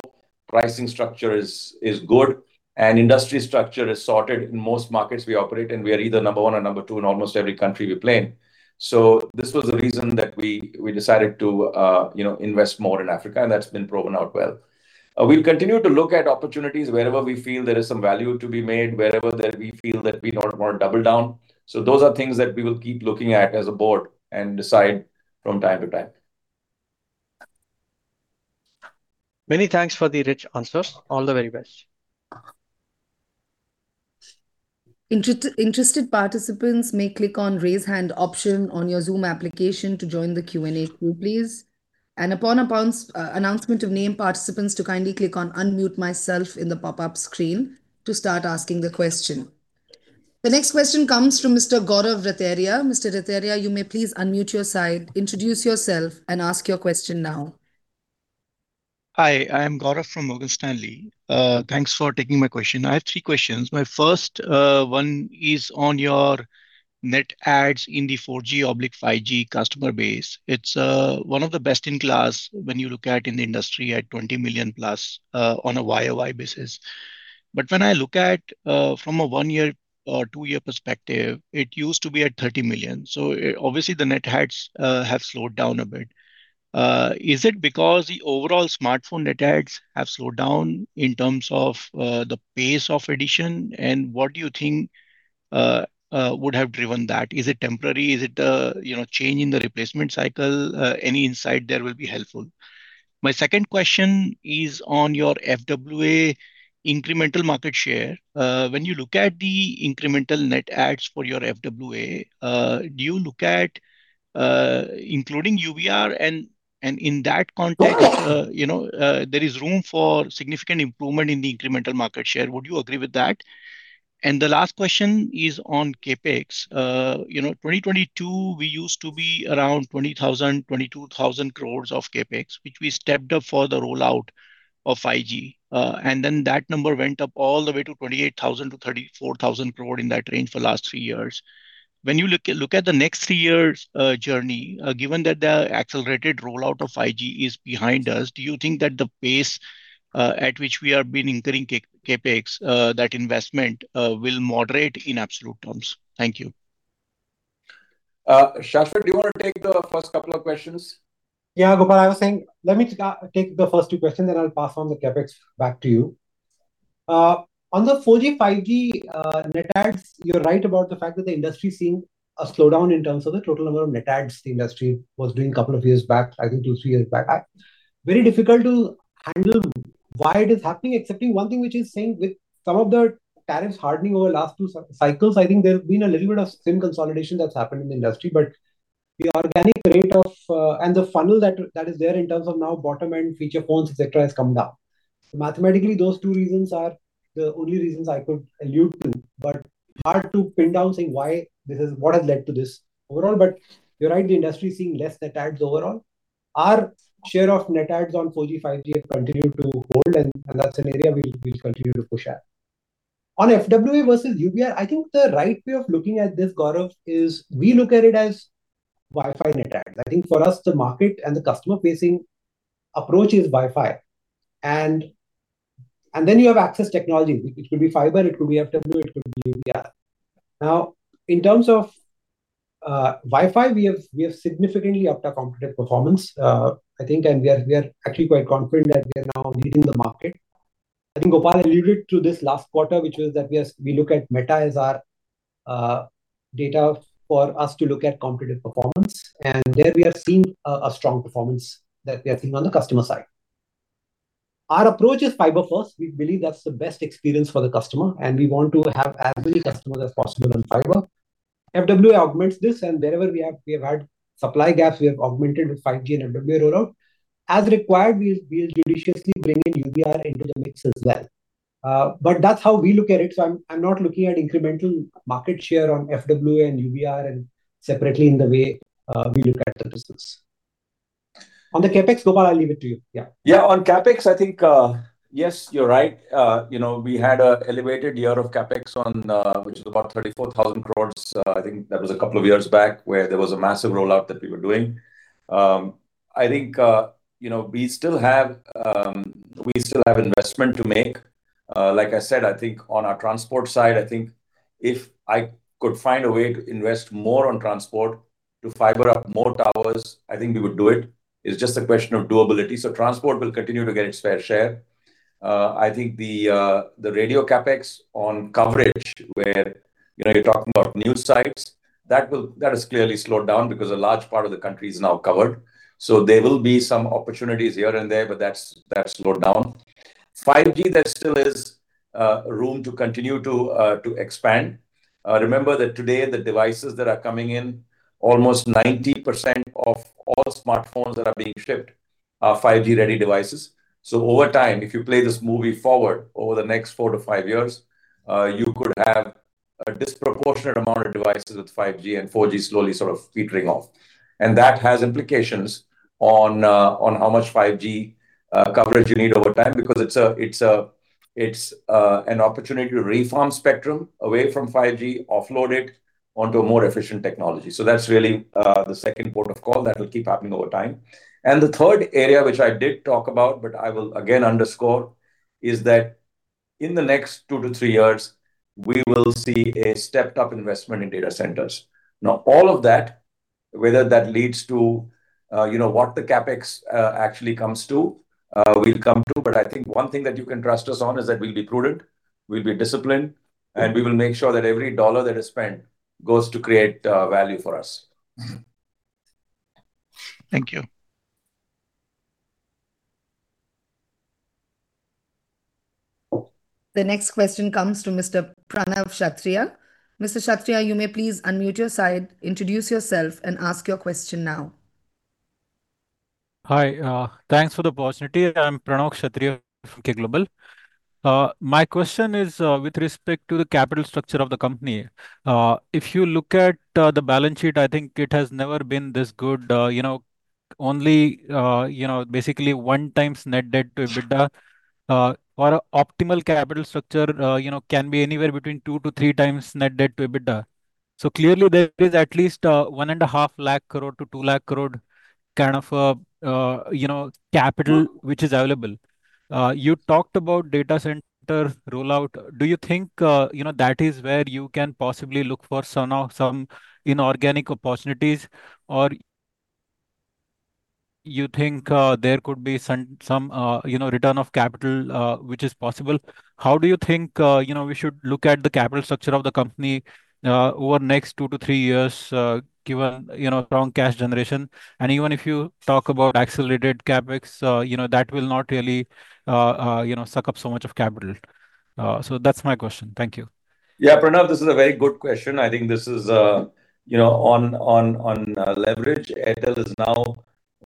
pricing structure is good, and industry structure is sorted. In most markets we operate, and we are either number one or number two in almost every country we play. So, this was the reason that we decided to invest more in Africa, and that's been proven out well. We'll continue to look at opportunities wherever we feel there is some value to be made, wherever we feel that we don't want to double down. So, those are things that we will keep looking at as a board and decide from time to time. Many thanks for the rich answers. All the very best. Interested participants may click on the raise hand option on your Zoom application to join the Q&A crew, please. Upon announcement of name, participants to kindly click on unmute myself in the pop-up screen to start asking the question. The next question comes from Mr. Gaurav Rateria. Mr. Rateria, you may please unmute your side, introduce yourself, and ask your question now. Hi, I am Gaurav from Morgan Stanley. Thanks for taking my question. I have three questions. My first one is on your net adds in the 4G/5G customer base. It's one of the best in class when you look at in the industry at 20 million+ on a YoY basis. But when I look at from a one-year or two-year perspective, it used to be at 30 million. So, obviously, the net adds have slowed down a bit. Is it because the overall smartphone net adds have slowed down in terms of the pace of addition? And what do you think would have driven that? Is it temporary? Is it a change in the replacement cycle? Any insight there will be helpful. My second question is on your FWA incremental market share. When you look at the incremental net adds for your FWA, do you look at including UBR? In that context, there is room for significant improvement in the incremental market share. Would you agree with that? The last question is on CapEx. In 2022, we used to be around 20,000 crore-22,000 crore of CapEx, which we stepped up for the rollout of 5G. Then that number went up all the way to 28,000-34,000 crore in that range for the last three years. When you look at the next three years' journey, given that the accelerated rollout of 5G is behind us, do you think that the pace at which we have been incurring CapEx, that investment, will moderate in absolute terms? Thank you. Shashwat, do you want to take the first couple of questions? Yeah, Gopal, I was saying let me take the first two questions, then I'll pass on the CapEx back to you. On the 4G/5G net adds, you're right about the fact that the industry is seeing a slowdown in terms of the total number of net adds the industry was doing a couple of years back, I think two or three years back. Very difficult to handle why it is happening, except one thing, which is saying with some of the tariffs hardening over the last two cycles, I think there's been a little bit of SIM consolidation that's happened in the industry. But the organic rate of and the funnel that is there in terms of now bottom-end feature phones, etc., has come down. Mathematically, those two reasons are the only reasons I could allude to, but hard to pin down saying why this is what has led to this overall. But you're right, the industry is seeing less net adds overall. Our share of net adds on 4G/5G have continued to hold, and that's an area we'll continue to push at. On FWA versus UBR, I think the right way of looking at this, Gaurav, is we look at it as Wi-Fi net adds. I think for us, the market and the customer-facing approach is Wi-Fi. And then you have access technology. It could be fiber. It could be FWA. It could be UBR. Now, in terms of Wi-Fi, we have significantly upped our competitive performance, I think, and we are actually quite confident that we are now leading the market. I think Gopal alluded to this last quarter, which was that we look at Meta as our data for us to look at competitive performance. And there we are seeing a strong performance that we are seeing on the customer side. Our approach is fiber-first. We believe that's the best experience for the customer, and we want to have as many customers as possible on fiber. FWA augments this, and wherever we have had supply gaps, we have augmented with 5G and FWA rollout. As required, we'll judiciously bring in UBR into the mix as well. But that's how we look at it. So, I'm not looking at incremental market share on FWA and UBR separately in the way we look at the business. On the CapEx, Gopal, I'll leave it to you. Yeah. Yeah, on CapEx, I think, yes, you're right. We had an elevated year of CapEx, which is about 34,000 crore. I think that was a couple of years back where there was a massive rollout that we were doing. I think we still have investment to make. Like I said, I think on our transport side, I think if I could find a way to invest more on transport to fiber up more towers, I think we would do it. It's just a question of doability. So, transport will continue to get its fair share. I think the radio CapEx on coverage, where you're talking about new sites, that has clearly slowed down because a large part of the country is now covered. So, there will be some opportunities here and there, but that's slowed down. 5G, there still is room to continue to expand. Remember that today, the devices that are coming in, almost 90% of all smartphones that are being shipped are 5G-ready devices. So, over time, if you play this movie forward over the next four-five years, you could have a disproportionate amount of devices with 5G and 4G slowly sort of featuring off. And that has implications on how much 5G coverage you need over time because it's an opportunity to reform spectrum away from 5G, offload it onto a more efficient technology. So, that's really the second point of call that will keep happening over time. And the third area, which I did talk about, but I will again underscore, is that in the next two-three years, we will see a stepped-up investment in data centers. Now, all of that, whether that leads to what the CapEx actually comes to, we'll come to. I think one thing that you can trust us on is that we'll be prudent, we'll be disciplined, and we will make sure that every dollar that is spent goes to create value for us. Thank you. The next question comes to Mr. Pranav Kshatriya. Mr. Kshatriya, you may please unmute your side, introduce yourself, and ask your question now. Hi, thanks for the opportunity. I'm Pranav Kshatriya from Emkay Global Financial Services. My question is with respect to the capital structure of the company. If you look at the balance sheet, I think it has never been this good. Only basically 1x net debt to EBITDA, or optimal capital structure can be anywhere between 2x-3x net debt to EBITDA. So, clearly, there is at least 150,000 crore-200,000 crore kind of capital, which is available. You talked about data center rollout. Do you think that is where you can possibly look for some inorganic opportunities, or you think there could be some return of capital, which is possible? How do you think we should look at the capital structure of the company over the next two to three years given strong cash generation? Even if you talk about accelerated CapEx, that will not really suck up so much of capital. So, that's my question. Thank you. Yeah, Pranav, this is a very good question. I think this is on leverage. Airtel is now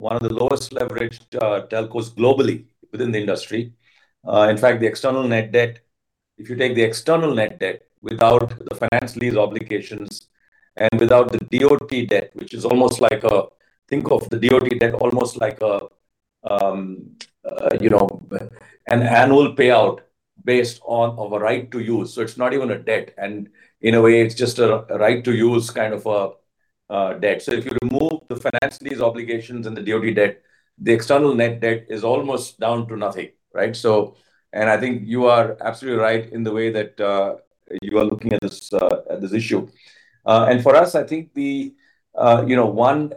one of the lowest leveraged telcos globally within the industry. In fact, the external net debt, if you take the external net debt without the finance lease obligations and without the DoT debt, which is almost like think of the DoT debt almost like an annual payout based on a right to use. So, it's not even a debt. And in a way, it's just a right to use kind of a debt. So, if you remove the finance lease obligations and the DoT debt, the external net debt is almost down to nothing, right? And I think you are absolutely right in the way that you are looking at this issue. And for us, I think the one,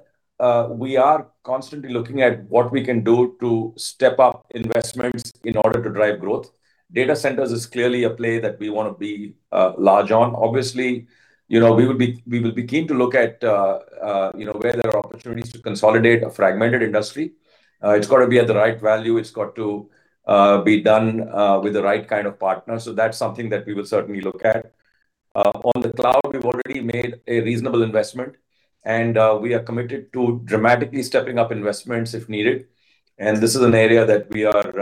we are constantly looking at what we can do to step up investments in order to drive growth. Data centers is clearly a play that we want to be large on. Obviously, we will be keen to look at where there are opportunities to consolidate a fragmented industry. It's got to be at the right value. It's got to be done with the right kind of partner. So, that's something that we will certainly look at. On the cloud, we've already made a reasonable investment, and we are committed to dramatically stepping up investments if needed. And this is an area that we are,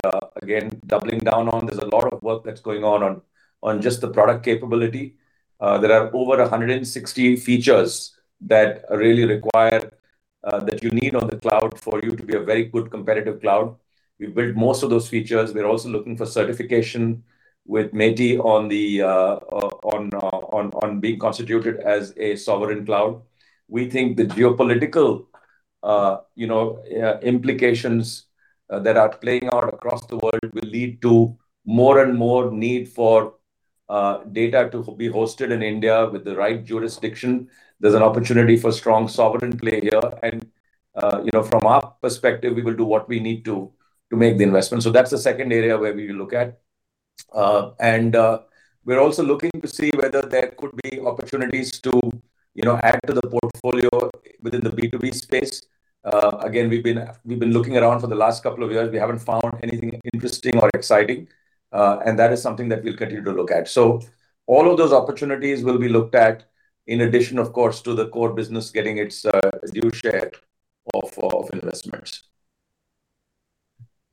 again, doubling down on. There's a lot of work that's going on on just the product capability. There are over 160 features that really require that you need on the cloud for you to be a very good competitive cloud. We built most of those features. We're also looking for certification with METI on being constituted as a sovereign cloud. We think the geopolitical implications that are playing out across the world will lead to more and more need for data to be hosted in India with the right jurisdiction. There's an opportunity for strong sovereign play here. From our perspective, we will do what we need to make the investment. That's the second area where we will look at. We're also looking to see whether there could be opportunities to add to the portfolio within the B2B space. Again, we've been looking around for the last couple of years. We haven't found anything interesting or exciting. That is something that we'll continue to look at. All of those opportunities will be looked at in addition, of course, to the core business getting its due share of investments.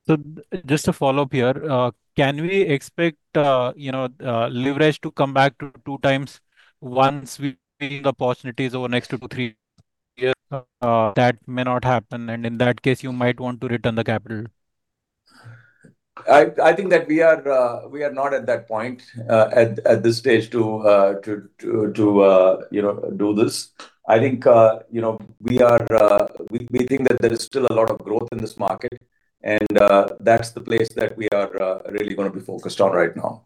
So, just to follow up here, can we expect leverage to come back to 2x once we see the opportunities over the next two to three years? That may not happen. In that case, you might want to return the capital. I think that we are not at that point at this stage to do this. I think we think that there is still a lot of growth in this market. That's the place that we are really going to be focused on right now.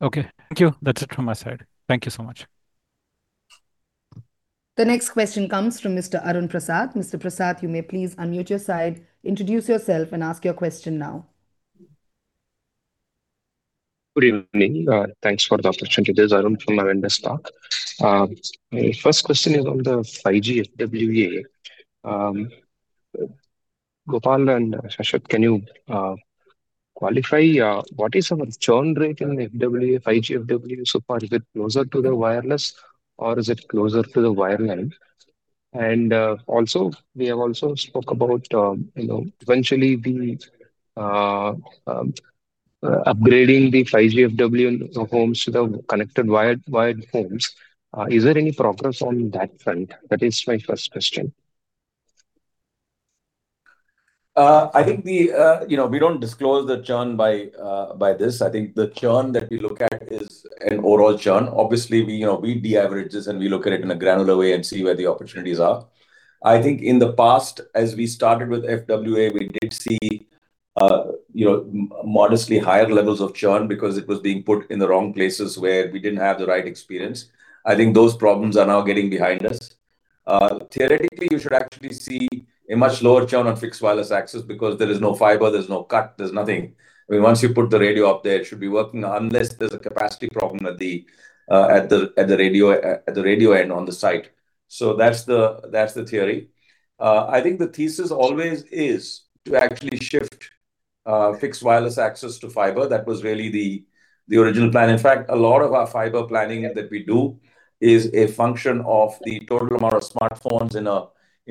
Okay, thank you. That's it from my side. Thank you so much. The next question comes from Mr. Arun Prasath. Mr. Prasath, you may please unmute your side, introduce yourself, and ask your question now. Good evening. Thanks for the opportunity. This is Arun from Avendus Spark. My first question is on the 5G FWA. Gopal and Shashwat, can you qualify? What is our churn rate in the FWA, 5G FWA so far? Is it closer to the wireless, or is it closer to the wireline? And also, we have also spoke about eventually upgrading the 5G FWA homes to the connected wired homes. Is there any progress on that front? That is my first question. I think we don't disclose the churn by this. I think the churn that we look at is an overall churn. Obviously, we de-average this, and we look at it in a granular way and see where the opportunities are. I think in the past, as we started with FWA, we did see modestly higher levels of churn because it was being put in the wrong places where we didn't have the right experience. I think those problems are now getting behind us. Theoretically, you should actually see a much lower churn on fixed wireless access because there is no fiber, there's no cut, there's nothing. I mean, once you put the radio up there, it should be working unless there's a capacity problem at the radio end on the site. So, that's the theory. I think the thesis always is to actually shift fixed wireless access to fiber. That was really the original plan. In fact, a lot of our fiber planning that we do is a function of the total amount of smartphones in a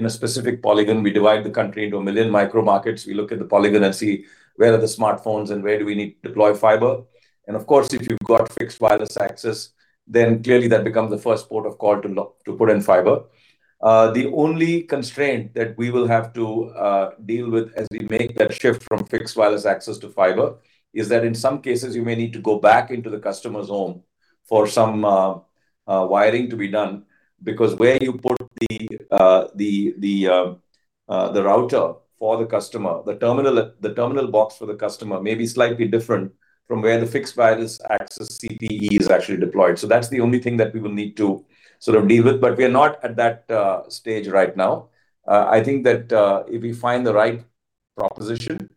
specific polygon. We divide the country into 1 million micro markets. We look at the polygon and see where are the smartphones and where do we need to deploy fiber. Of course, if you've got fixed wireless access, then clearly that becomes the first port of call to put in fiber. The only constraint that we will have to deal with as we make that shift from fixed wireless access to fiber is that in some cases, you may need to go back into the customer's home for some wiring to be done because where you put the router for the customer, the terminal box for the customer may be slightly different from where the fixed wireless access CPE is actually deployed. So, that's the only thing that we will need to sort of deal with. But we are not at that stage right now. I think that if we find the right proposition,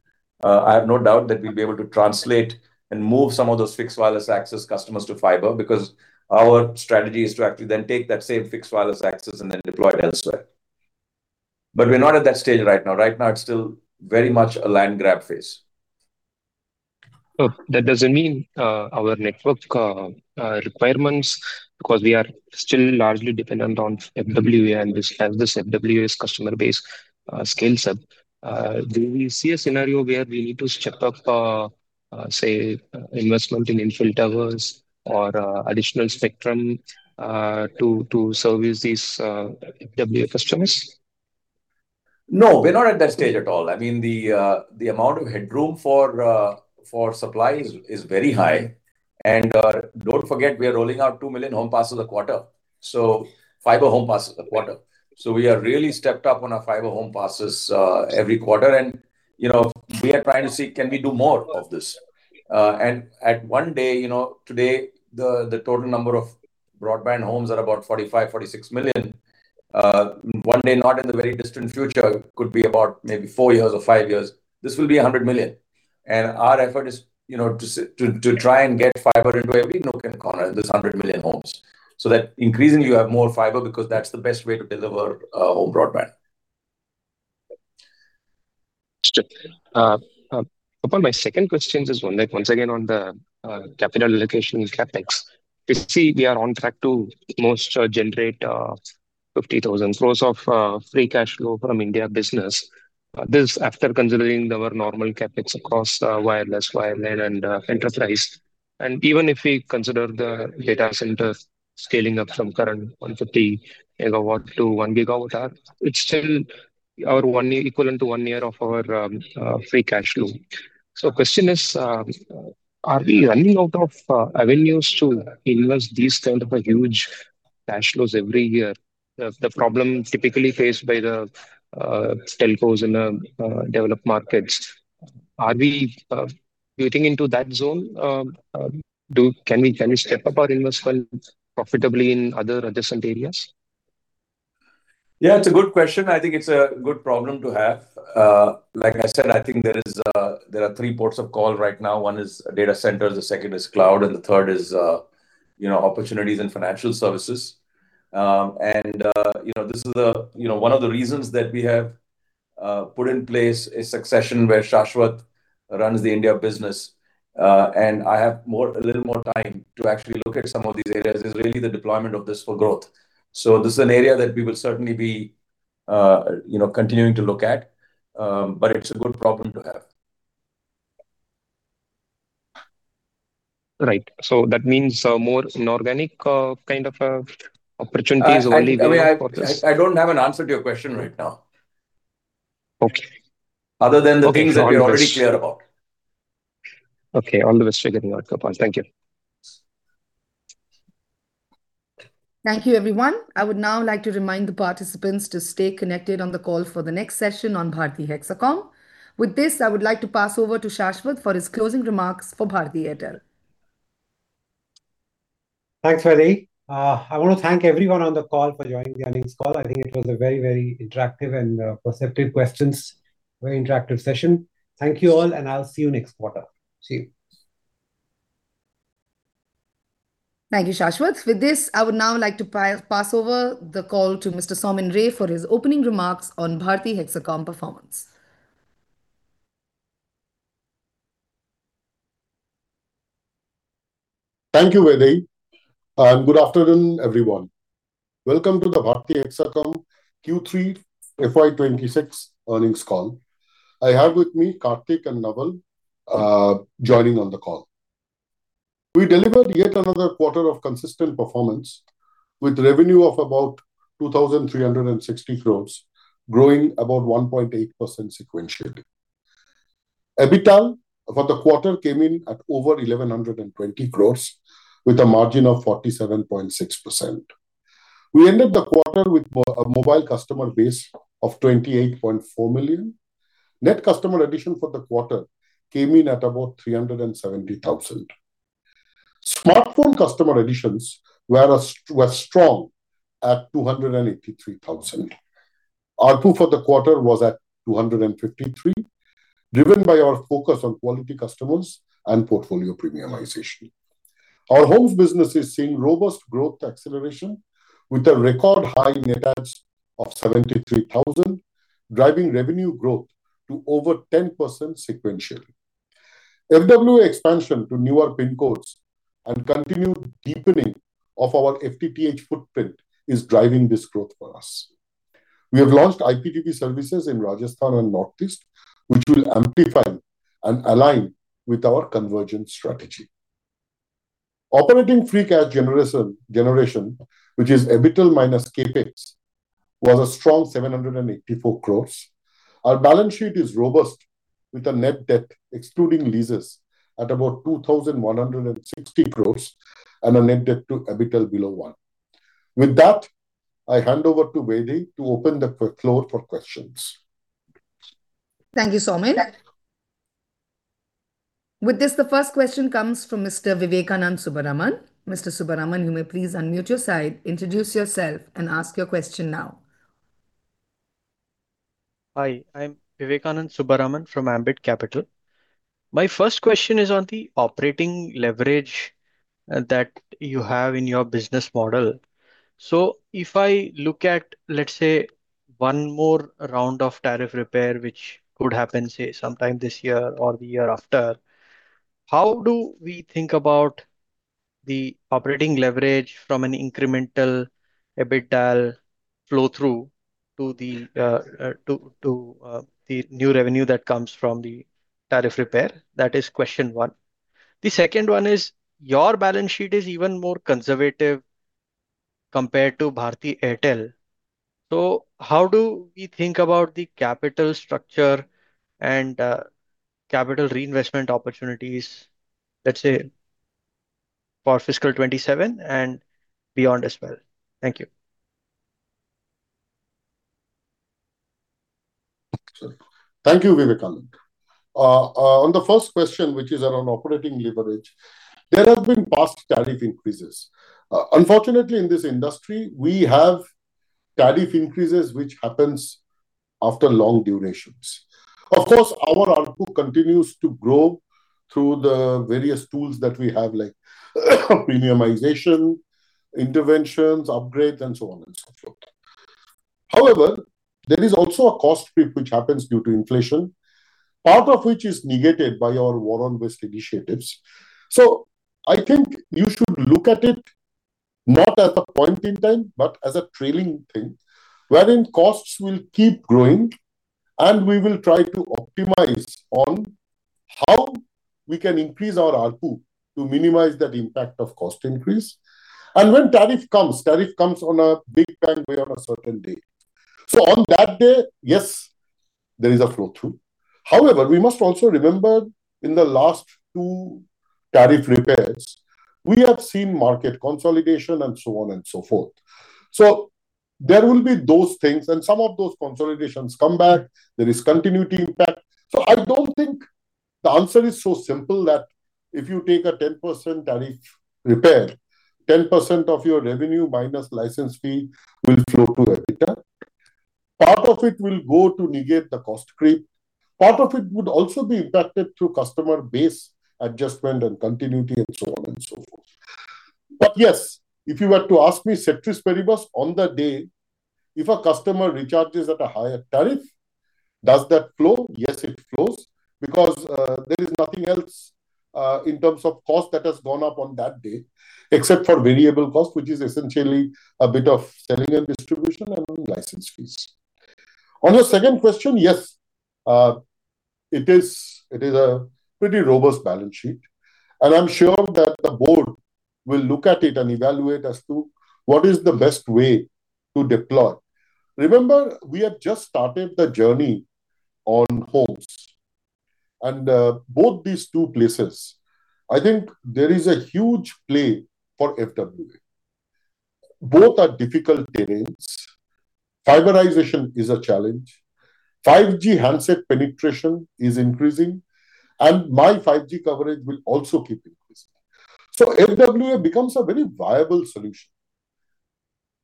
I have no doubt that we'll be able to translate and move some of those fixed wireless access customers to fiber because our strategy is to actually then take that same fixed wireless access and then deploy it elsewhere. But we're not at that stage right now. Right now, it's still very much a land grab phase. That doesn't mean our network requirements, because we are still largely dependent on FWA and this FWA's customer base scale-up. Do we see a scenario where we need to step up, say, investment in infill towers or additional spectrum to service these FWA customers? No, we're not at that stage at all. I mean, the amount of headroom for supply is very high. Don't forget, we are rolling out 2 million home passes a quarter. Fiber home passes a quarter. We are really stepped up on our fiber home passes every quarter. We are trying to see, can we do more of this? At one day, today, the total number of broadband homes are about 45-46 million. One day, not in the very distant future, could be about maybe four years or five years, this will be 100 million. Our effort is to try and get fiber into every nook and corner in this 100 million homes so that increasingly, you have more fiber because that's the best way to deliver home broadband. Upon my second question, just once again on the capital allocation CapEx, we see we are on track to almost generate 50,000 crore growth of free cash flow from India business, this after considering our normal CapEx across wireless, wireline, and enterprise. Even if we consider the data center scaling up from current 150 MW to 1 GW, it's still equivalent to one year of our free cash flow. So, question is, are we running out of avenues to invest these kinds of huge cash flows every year? The problem typically faced by the telcos in the developed markets, are we getting into that zone? Can we step up our investment profitably in other adjacent areas? Yeah, it's a good question. I think it's a good problem to have. Like I said, I think there are three ports of call right now. One is data centers, the second is cloud, and the third is opportunities and financial services. And this is one of the reasons that we have put in place a succession where Shashwat runs the India business. And I have a little more time to actually look at some of these areas. It's really the deployment of this for growth. So, this is an area that we will certainly be continuing to look at. But it's a good problem to have. Right. So, that means more inorganic kind of opportunities only. I don't have an answer to your question right now, other than the things that we're already clear about. Okay, all the best figuring out, Gopal. Thank you. Thank you, everyone. I would now like to remind the participants to stay connected on the call for the next session on Bharti Hexacom. With this, I would like to pass over to Shashwat for his closing remarks for Bharti Airtel. Thanks, Vidhi. I want to thank everyone on the call for joining the earnings call. I think it was a very, very interactive and perceptive questions, very interactive session. Thank you all, and I'll see you next quarter. See you. Thank you, Shashwat. With this, I would now like to pass over the call to Mr. Soumen Ray for his opening remarks on Bharti Hexacom performance. Thank you, Vidhi. Good afternoon, everyone. Welcome to the Bharti Hexacom Q3 FY 2026 earnings call. I have with me Karthik and Naval joining on the call. We delivered yet another quarter of consistent performance with revenue of about 2,360 crores, growing about 1.8% sequentially. EBITDA for the quarter came in at over 1,120 crores with a margin of 47.6%. We ended the quarter with a mobile customer base of 28.4 million. Net customer addition for the quarter came in at about 370,000. Smartphone customer additions were strong at 283,000. ARPU for the quarter was at 253, driven by our focus on quality customers and portfolio premiumization. Our homes business is seeing robust growth acceleration with a record high net adds of 73,000, driving revenue growth to over 10% sequentially. FWA expansion to newer PIN codes and continued deepening of our FTTH footprint is driving this growth for us. We have launched IPTV services in Rajasthan and Northeast, which will amplify and align with our convergence strategy. Operating free cash generation, which is EBITDA minus CapEx, was a strong 784 crore. Our balance sheet is robust with a net debt excluding leases at about 2,160 crore and a net debt to EBITDA below 1. With that, I hand over to Vidhi to open the floor for questions. Thank you, Soumen. With this, the first question comes from Mr. Vivekanand Subbaraman. Mr. Subbaraman, you may please unmute your side, introduce yourself, and ask your question now. Hi, I'm Vivekanand Subbaraman from Ambit Capital. My first question is on the operating leverage that you have in your business model. So, if I look at, let's say, one more round of tariff repair, which could happen, say, sometime this year or the year after, how do we think about the operating leverage from an incremental EBITDA flow through to the new revenue that comes from the tariff repair? That is question one. The second one is your balance sheet is even more conservative compared to Bharti Airtel. So, how do we think about the capital structure and capital reinvestment opportunities, let's say, for fiscal 2027 and beyond as well? Thank you. Thank you, Vivekanand. On the first question, which is around operating leverage, there have been past tariff increases. Unfortunately, in this industry, we have tariff increases which happen after long durations. Of course, our RPU continues to grow through the various tools that we have, like premiumization, interventions, upgrades, and so on and so forth. However, there is also a cost peak which happens due to inflation, part of which is negated by our War on Waste initiatives. So, I think you should look at it not as a point in time, but as a trailing thing wherein costs will keep growing, and we will try to optimize on how we can increase our RPU to minimize that impact of cost increase. And when tariff comes, tariff comes on a big bang way on a certain day. So, on that day, yes, there is a flow through. However, we must also remember in the last two tariff repairs, we have seen market consolidation and so on and so forth. So, there will be those things, and some of those consolidations come back. There is continuity impact. So, I don't think the answer is so simple that if you take a 10% tariff repair, 10% of your revenue minus license fee will flow to EBITDA. Part of it will go to negate the cost creep. Part of it would also be impacted through customer base adjustment and continuity and so on and so forth. But yes, if you were to ask me ceteris paribus on the day, if a customer recharges at a higher tariff, does that flow? Yes, it flows because there is nothing else in terms of cost that has gone up on that day except for variable cost, which is essentially a bit of selling and distribution and license fees. On your second question, yes, it is a pretty robust balance sheet. I'm sure that the board will look at it and evaluate as to what is the best way to deploy. Remember, we have just started the journey on homes. Both these two places, I think there is a huge play for FWA. Both are difficult terrains. Fiberization is a challenge. 5G handset penetration is increasing. My 5G coverage will also keep increasing. So, FWA becomes a very viable solution.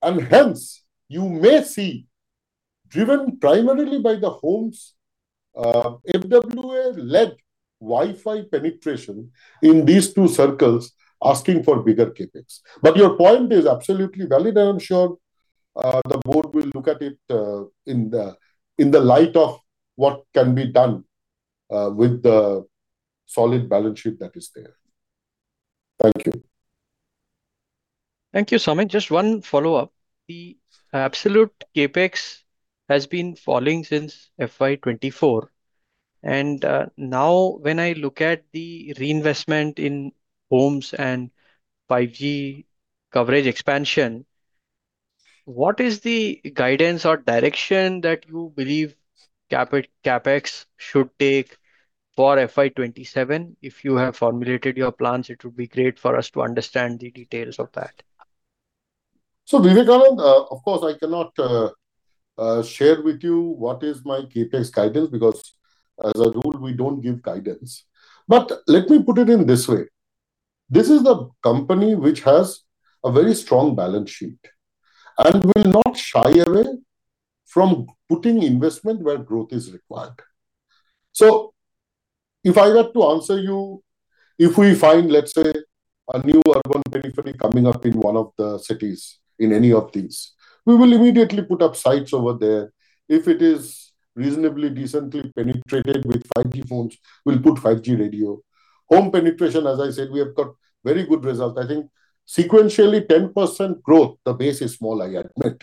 Hence, you may see, driven primarily by the homes, FWA-led Wi-Fi penetration in these two circles asking for bigger CapEx. But your point is absolutely valid, and I'm sure the board will look at it in the light of what can be done with the solid balance sheet that is there. Thank you. Thank you, Soumen. Just one follow-up. The absolute CapEx has been falling since FY 2024. And now, when I look at the reinvestment in homes and 5G coverage expansion, what is the guidance or direction that you believe CapEx should take for FY 2027? If you have formulated your plans, it would be great for us to understand the details of that. So, Vivekanand, of course, I cannot share with you what is my CapEx guidance because, as a rule, we don't give guidance. But let me put it in this way. This is a company which has a very strong balance sheet and will not shy away from putting investment where growth is required. So, if I were to answer you, if we find, let's say, a new urban periphery coming up in one of the cities, in any of these, we will immediately put up sites over there. If it is reasonably decently penetrated with 5G phones, we'll put 5G radio. Home penetration, as I said, we have got very good results. I think sequentially 10% growth, the base is small, I admit.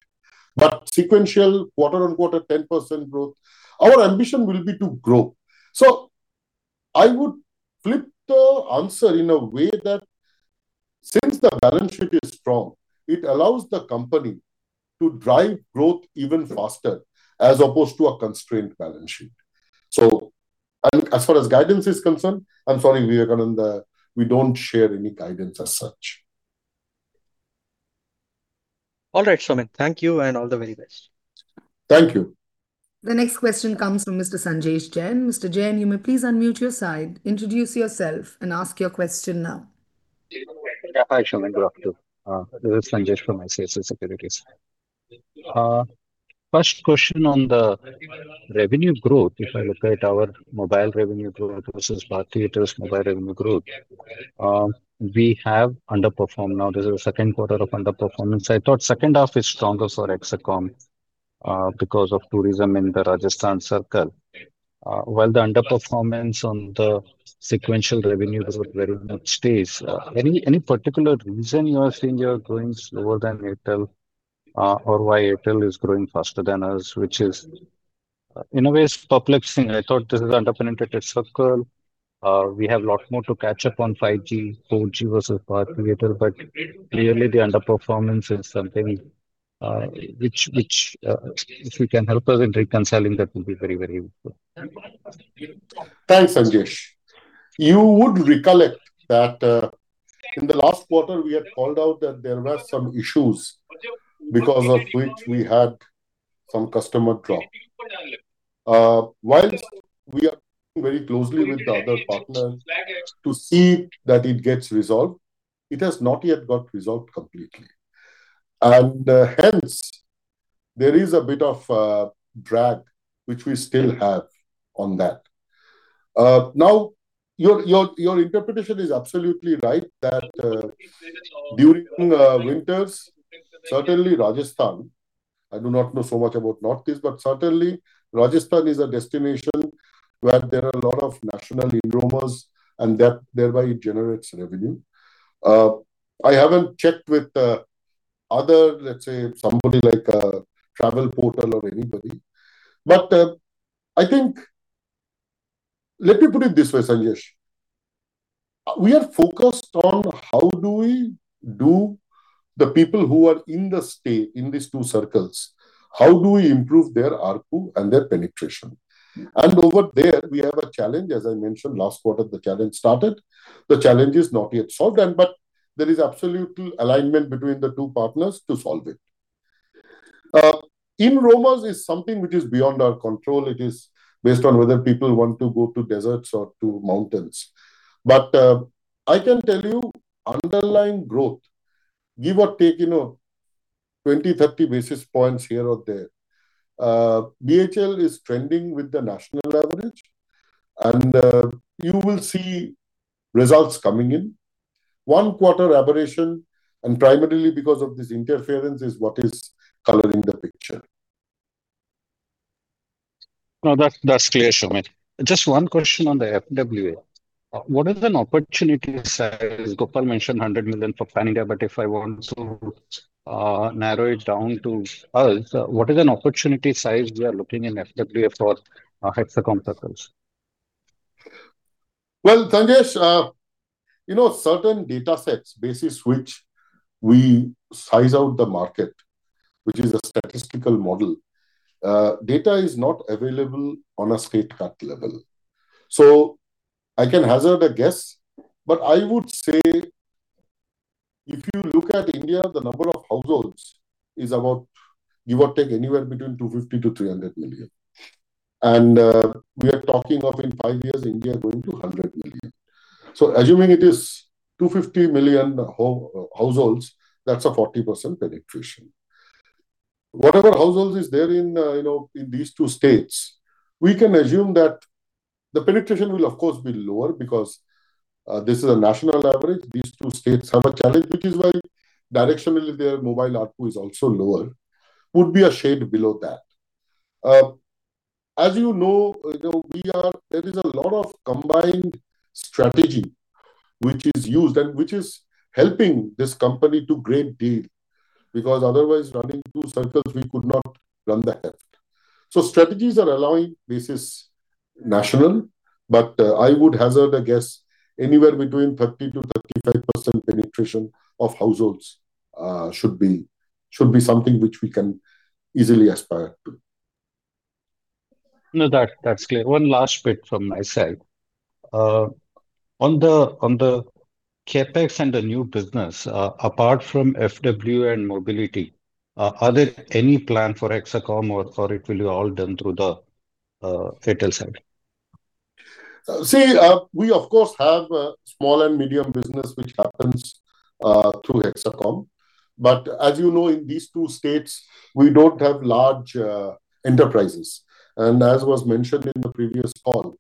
But sequential, quarter-on-quarter, 10% growth, our ambition will be to grow. I would flip the answer in a way that since the balance sheet is strong, it allows the company to drive growth even faster as opposed to a constrained balance sheet. As far as guidance is concerned, I'm sorry, Vivekanand, we don't share any guidance as such. All right, Soumen. Thank you and all the very best. Thank you. The next question comes from Mr. Sanjay Jain. Mr. Jain, you may please unmute your side, introduce yourself, and ask your question now. Hi, Soumen. Good afternoon. This is Sanjay from ICICI Securities. First question on the revenue growth, if I look at our mobile revenue growth versus Bharti Airtel's mobile revenue growth, we have underperformed now. This is the second quarter of underperformance. I thought second half is stronger for Hexacom because of tourism in the Rajasthan circle. While the underperformance on the sequential revenue growth very much stays, any particular reason you are seeing you are growing slower than Airtel or why Airtel is growing faster than us, which is, in a way, a perplexing thing. I thought this is an underpenetrated circle. We have a lot more to catch up on 5G, 4G versus Bharti Airtel. But clearly, the underperformance is something which, if you can help us in reconciling, that would be very, very helpful. Thanks, Sanjay. You would recollect that in the last quarter, we had called out that there were some issues because of which we had some customer drop. While we are very closely with the other partners to see that it gets resolved, it has not yet got resolved completely. And hence, there is a bit of drag, which we still have on that. Now, your interpretation is absolutely right that during winters, certainly Rajasthan, I do not know so much about Northeast, but certainly Rajasthan is a destination where there are a lot of national inbounders, and thereby, it generates revenue. I haven't checked with other, let's say, somebody like a travel portal or anybody. But I think let me put it this way, Sanjay. We are focused on how do we do the people who are in the state in these two circles, how do we improve their ARPU and their penetration. And over there, we have a challenge. As I mentioned, last quarter, the challenge started. The challenge is not yet solved. But there is absolute alignment between the two partners to solve it. In-roamers is something which is beyond our control. It is based on whether people want to go to deserts or to mountains. But I can tell you, underlying growth, give or take 20, 30 basis points here or there, BHL is trending with the national average. And you will see results coming in. One quarter aberration, and primarily because of this interference, is what is coloring the picture. No, that's clear, Soumen. Just one question on the FWA. What is an opportunity size? Gopal mentioned 100 million for Panindia. But if I want to narrow it down to us, what is an opportunity size we are looking in FWA for Hexacom circles? Well, Sanjay, certain data sets basis which we size out the market, which is a statistical model, data is not available on a state cut level. So, I can hazard a guess. But I would say if you look at India, the number of households is about, give or take, anywhere between 250 million-300 million. And we are talking of, in five years, India going to 100 million. So, assuming it is 250 million households, that's a 40% penetration. Whatever households are there in these two states, we can assume that the penetration will, of course, be lower because this is a national leverage. These two states have a challenge, which is why, directionally, their mobile RPU is also lower, would be a shade below that. As you know, there is a lot of combined strategy which is used and which is helping this company to a great deal because, otherwise, running two circles, we could not run the head. So, strategies are allowing basis national. But I would hazard a guess anywhere between 30%-35% penetration of households should be something which we can easily aspire to. No, that's clear. One last bit from my side. On the CapEx and the new business, apart from FWA and mobility, are there any plans for Hexacom, or it will be all done through the Airtel side? See, we, of course, have a small and medium business which happens through Hexacom. As you know, in these two states, we don't have large enterprises. As was mentioned in the previous call,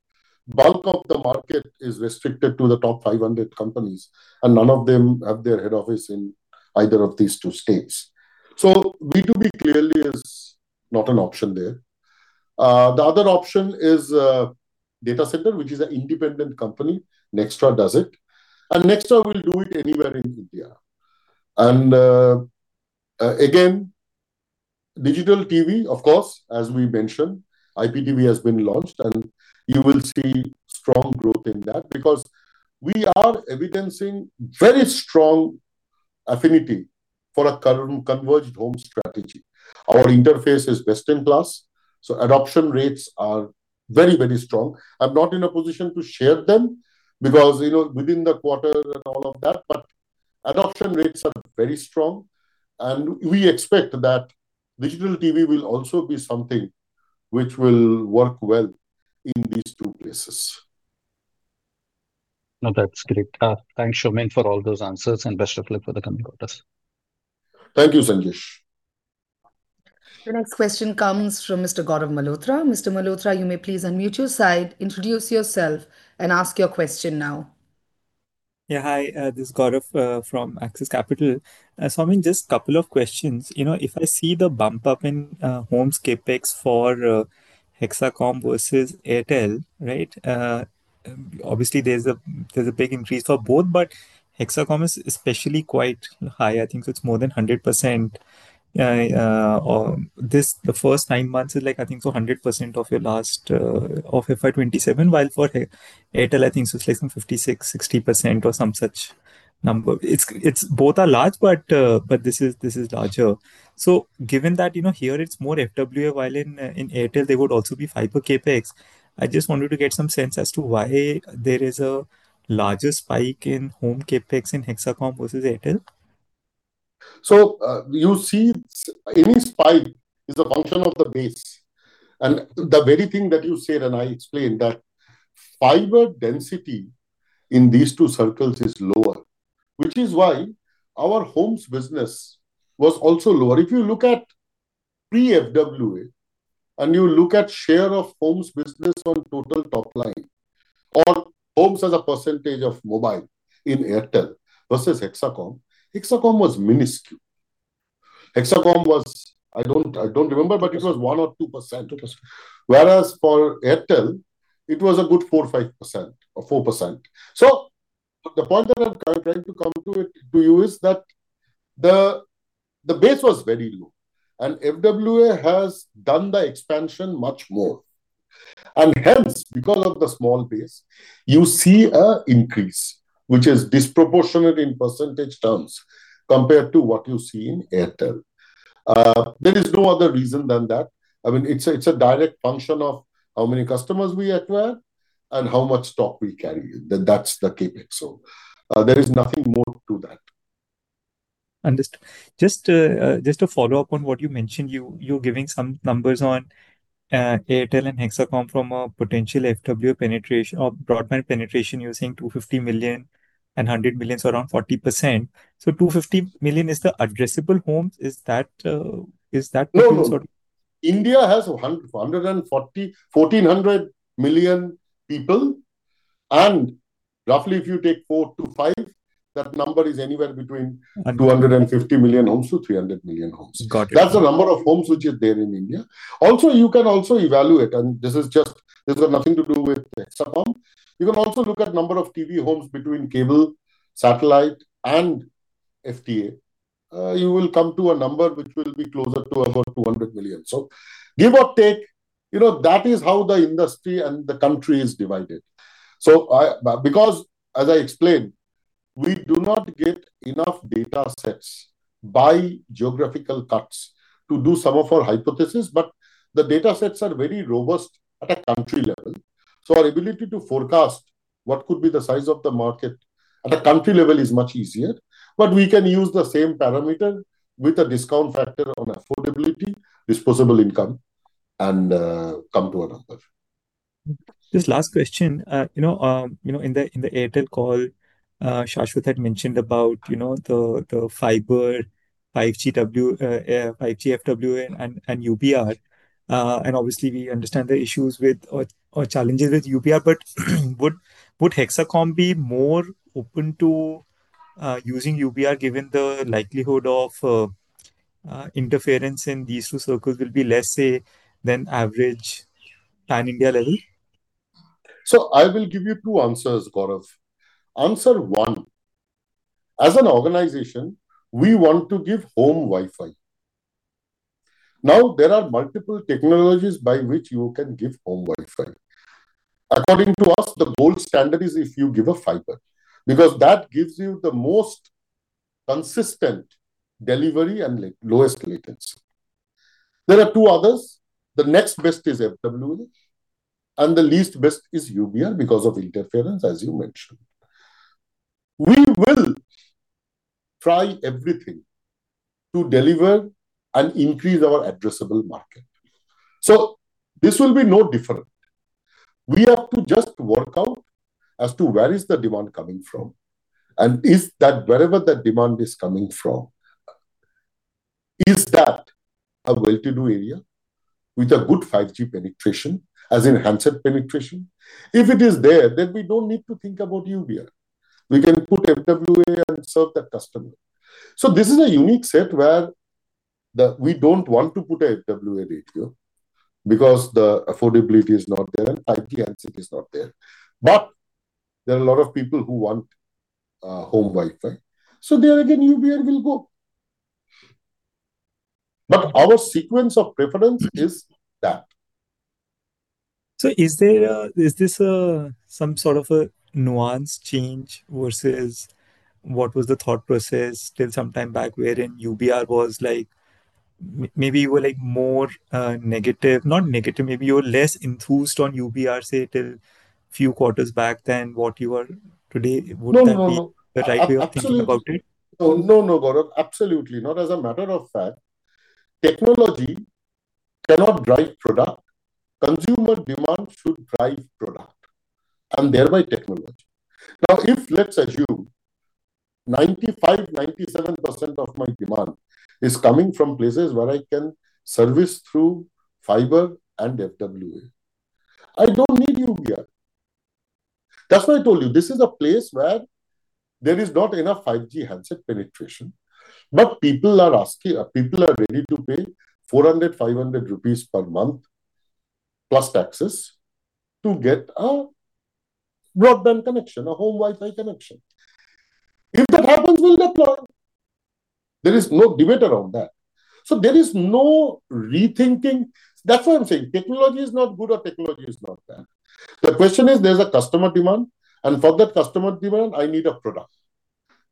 bulk of the market is restricted to the top 500 companies. None of them have their head office in either of these two states. So, B2B clearly is not an option there. The other option is a data center, which is an independent company. Nxtra does it. Nxtra will do it anywhere in India. Again, digital TV, of course, as we mentioned, IPTV has been launched. You will see strong growth in that because we are evidencing very strong affinity for a converged home strategy. Our interface is best in class. So, adoption rates are very, very strong. I'm not in a position to share them because within the quarter and all of that, but adoption rates are very strong. And we expect that digital TV will also be something which will work well in these two places. No, that's great. Thanks, Soumen, for all those answers. Best of luck for the coming quarters. Thank you, Sanjay. The next question comes from Mr. Gaurav Malhotra. Mr. Malhotra, you may please unmute your side, introduce yourself, and ask your question now. Yeah, hi. This is Gaurav from Axis Capital. Soumen, just a couple of questions. If I see the bump up in homes CapEx for Hexacom versus Airtel, right, obviously, there's a big increase for both. But Hexacom is especially quite high. I think it's more than 100%. The first nine months is like, I think, so 100% of FY 2027, while for Airtel, I think it's like some 56%, 60%, or some such number. Both are large, but this is larger. So, given that here, it's more FWA, while in Airtel, there would also be fiber CapEx. I just wanted to get some sense as to why there is a larger spike in home CapEx in Hexacom versus Airtel. So, you see, any spike is a function of the base. And the very thing that you said, and I explained, that fiber density in these two circles is lower, which is why our homes business was also lower. If you look at pre-FWA and you look at share of homes business on total top line or homes as a percentage of mobile in Airtel versus Hexacom, Hexacom was minuscule. Hexacom was, I don't remember, but it was 1% or 2%. Whereas for Airtel, it was a good 4% or 5%. So, the point that I'm trying to come to you is that the base was very low. And FWA has done the expansion much more. And hence, because of the small base, you see an increase, which is disproportionate in percentage terms compared to what you see in Airtel. There is no other reason than that. I mean, it's a direct function of how many customers we acquire and how much stock we carry. That's the CapEx. So, there is nothing more to that. Understood. Just to follow up on what you mentioned, you're giving some numbers on Airtel and Hexacom from a potential FWA penetration or broadband penetration you're saying 250 million and 100 million is around 40%. So, 250 million is the addressable homes. Is that? No, India has 1,400 million people. Roughly, if you take four-five, that number is anywhere between 250 million-300 million homes. That's the number of homes which is there in India. Also, you can also evaluate, and this has nothing to do with Hexacom. You can also look at the number of TV homes between cable, satellite, and FTA. You will come to a number which will be closer to about 200 million. So, give or take, that is how the industry and the country is divided. So, because, as I explained, we do not get enough data sets by geographical cuts to do some of our hypotheses. But the data sets are very robust at a country level. So, our ability to forecast what could be the size of the market at a country level is much easier. We can use the same parameter with a discount factor on affordability, disposable income, and come to a number. Just last question. In the Airtel call, Shashwat had mentioned about the fiber, 5G FWA, and UBR. And obviously, we understand the issues or challenges with UBR. But would Hexacom be more open to using UBR given the likelihood of interference in these two circles will be less, say, than average Pan-India level? So, I will give you two answers, Gaurav. Answer one, as an organization, we want to give home Wi-Fi. Now, there are multiple technologies by which you can give home Wi-Fi. According to us, the gold standard is if you give a fiber because that gives you the most consistent delivery and lowest latency. There are two others. The next best is FWA. And the least best is UBR because of interference, as you mentioned. We will try everything to deliver and increase our addressable market. So, this will be no different. We have to just work out as to where is the demand coming from. And is that wherever that demand is coming from, is that a well-to-do area with a good 5G penetration, as in handset penetration? If it is there, then we don't need to think about UBR. We can put FWA and serve that customer. This is a unique set where we don't want to put a FWA radio because the affordability is not there and 5G handset is not there. There are a lot of people who want home Wi-Fi. There again, UBR will go. Our sequence of preference is that. So, is this some sort of a nuanced change versus what was the thought process till some time back wherein UBR was like maybe you were more negative? Not negative. Maybe you were less enthused on UBR, say, till a few quarters back than what you are today. Would that be the right way of thinking about it? No, no, Gaurav, absolutely. Not as a matter of fact. Technology cannot drive product. Consumer demand should drive product, and thereby, technology. Now, if let's assume 95%, 97% of my demand is coming from places where I can service through fiber and FWA, I don't need UBR. That's why I told you, this is a place where there is not enough 5G handset penetration. But people are ready to pay 400, 500 rupees per month, plus taxes, to get a broadband connection, a home Wi-Fi connection. If that happens, we'll deploy. There is no debate around that. So, there is no rethinking. That's why I'm saying technology is not good or technology is not bad. The question is, there's a customer demand. And for that customer demand, I need a product.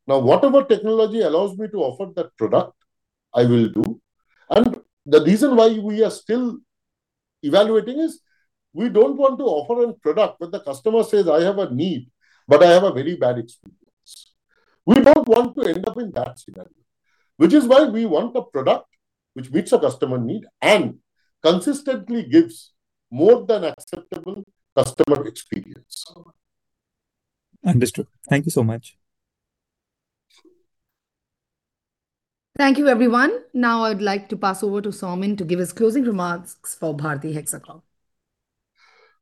Now, whatever technology allows me to offer that product, I will do. The reason why we are still evaluating is we don't want to offer a product where the customer says, "I have a need, but I have a very bad experience." We don't want to end up in that scenario, which is why we want a product which meets a customer need and consistently gives more than acceptable customer experience. Understood. Thank you so much. Thank you, everyone. Now, I would like to pass over to Soumen to give his closing remarks for Bharti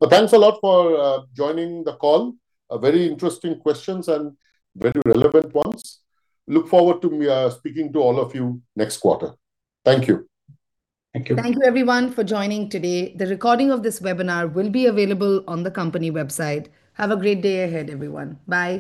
Hexacom. Thanks a lot for joining the call. Very interesting questions and very relevant ones. Look forward to speaking to all of you next quarter. Thank you. Thank you. Thank you, everyone, for joining today. The recording of this webinar will be available on the company website. Have a great day ahead, everyone. Bye.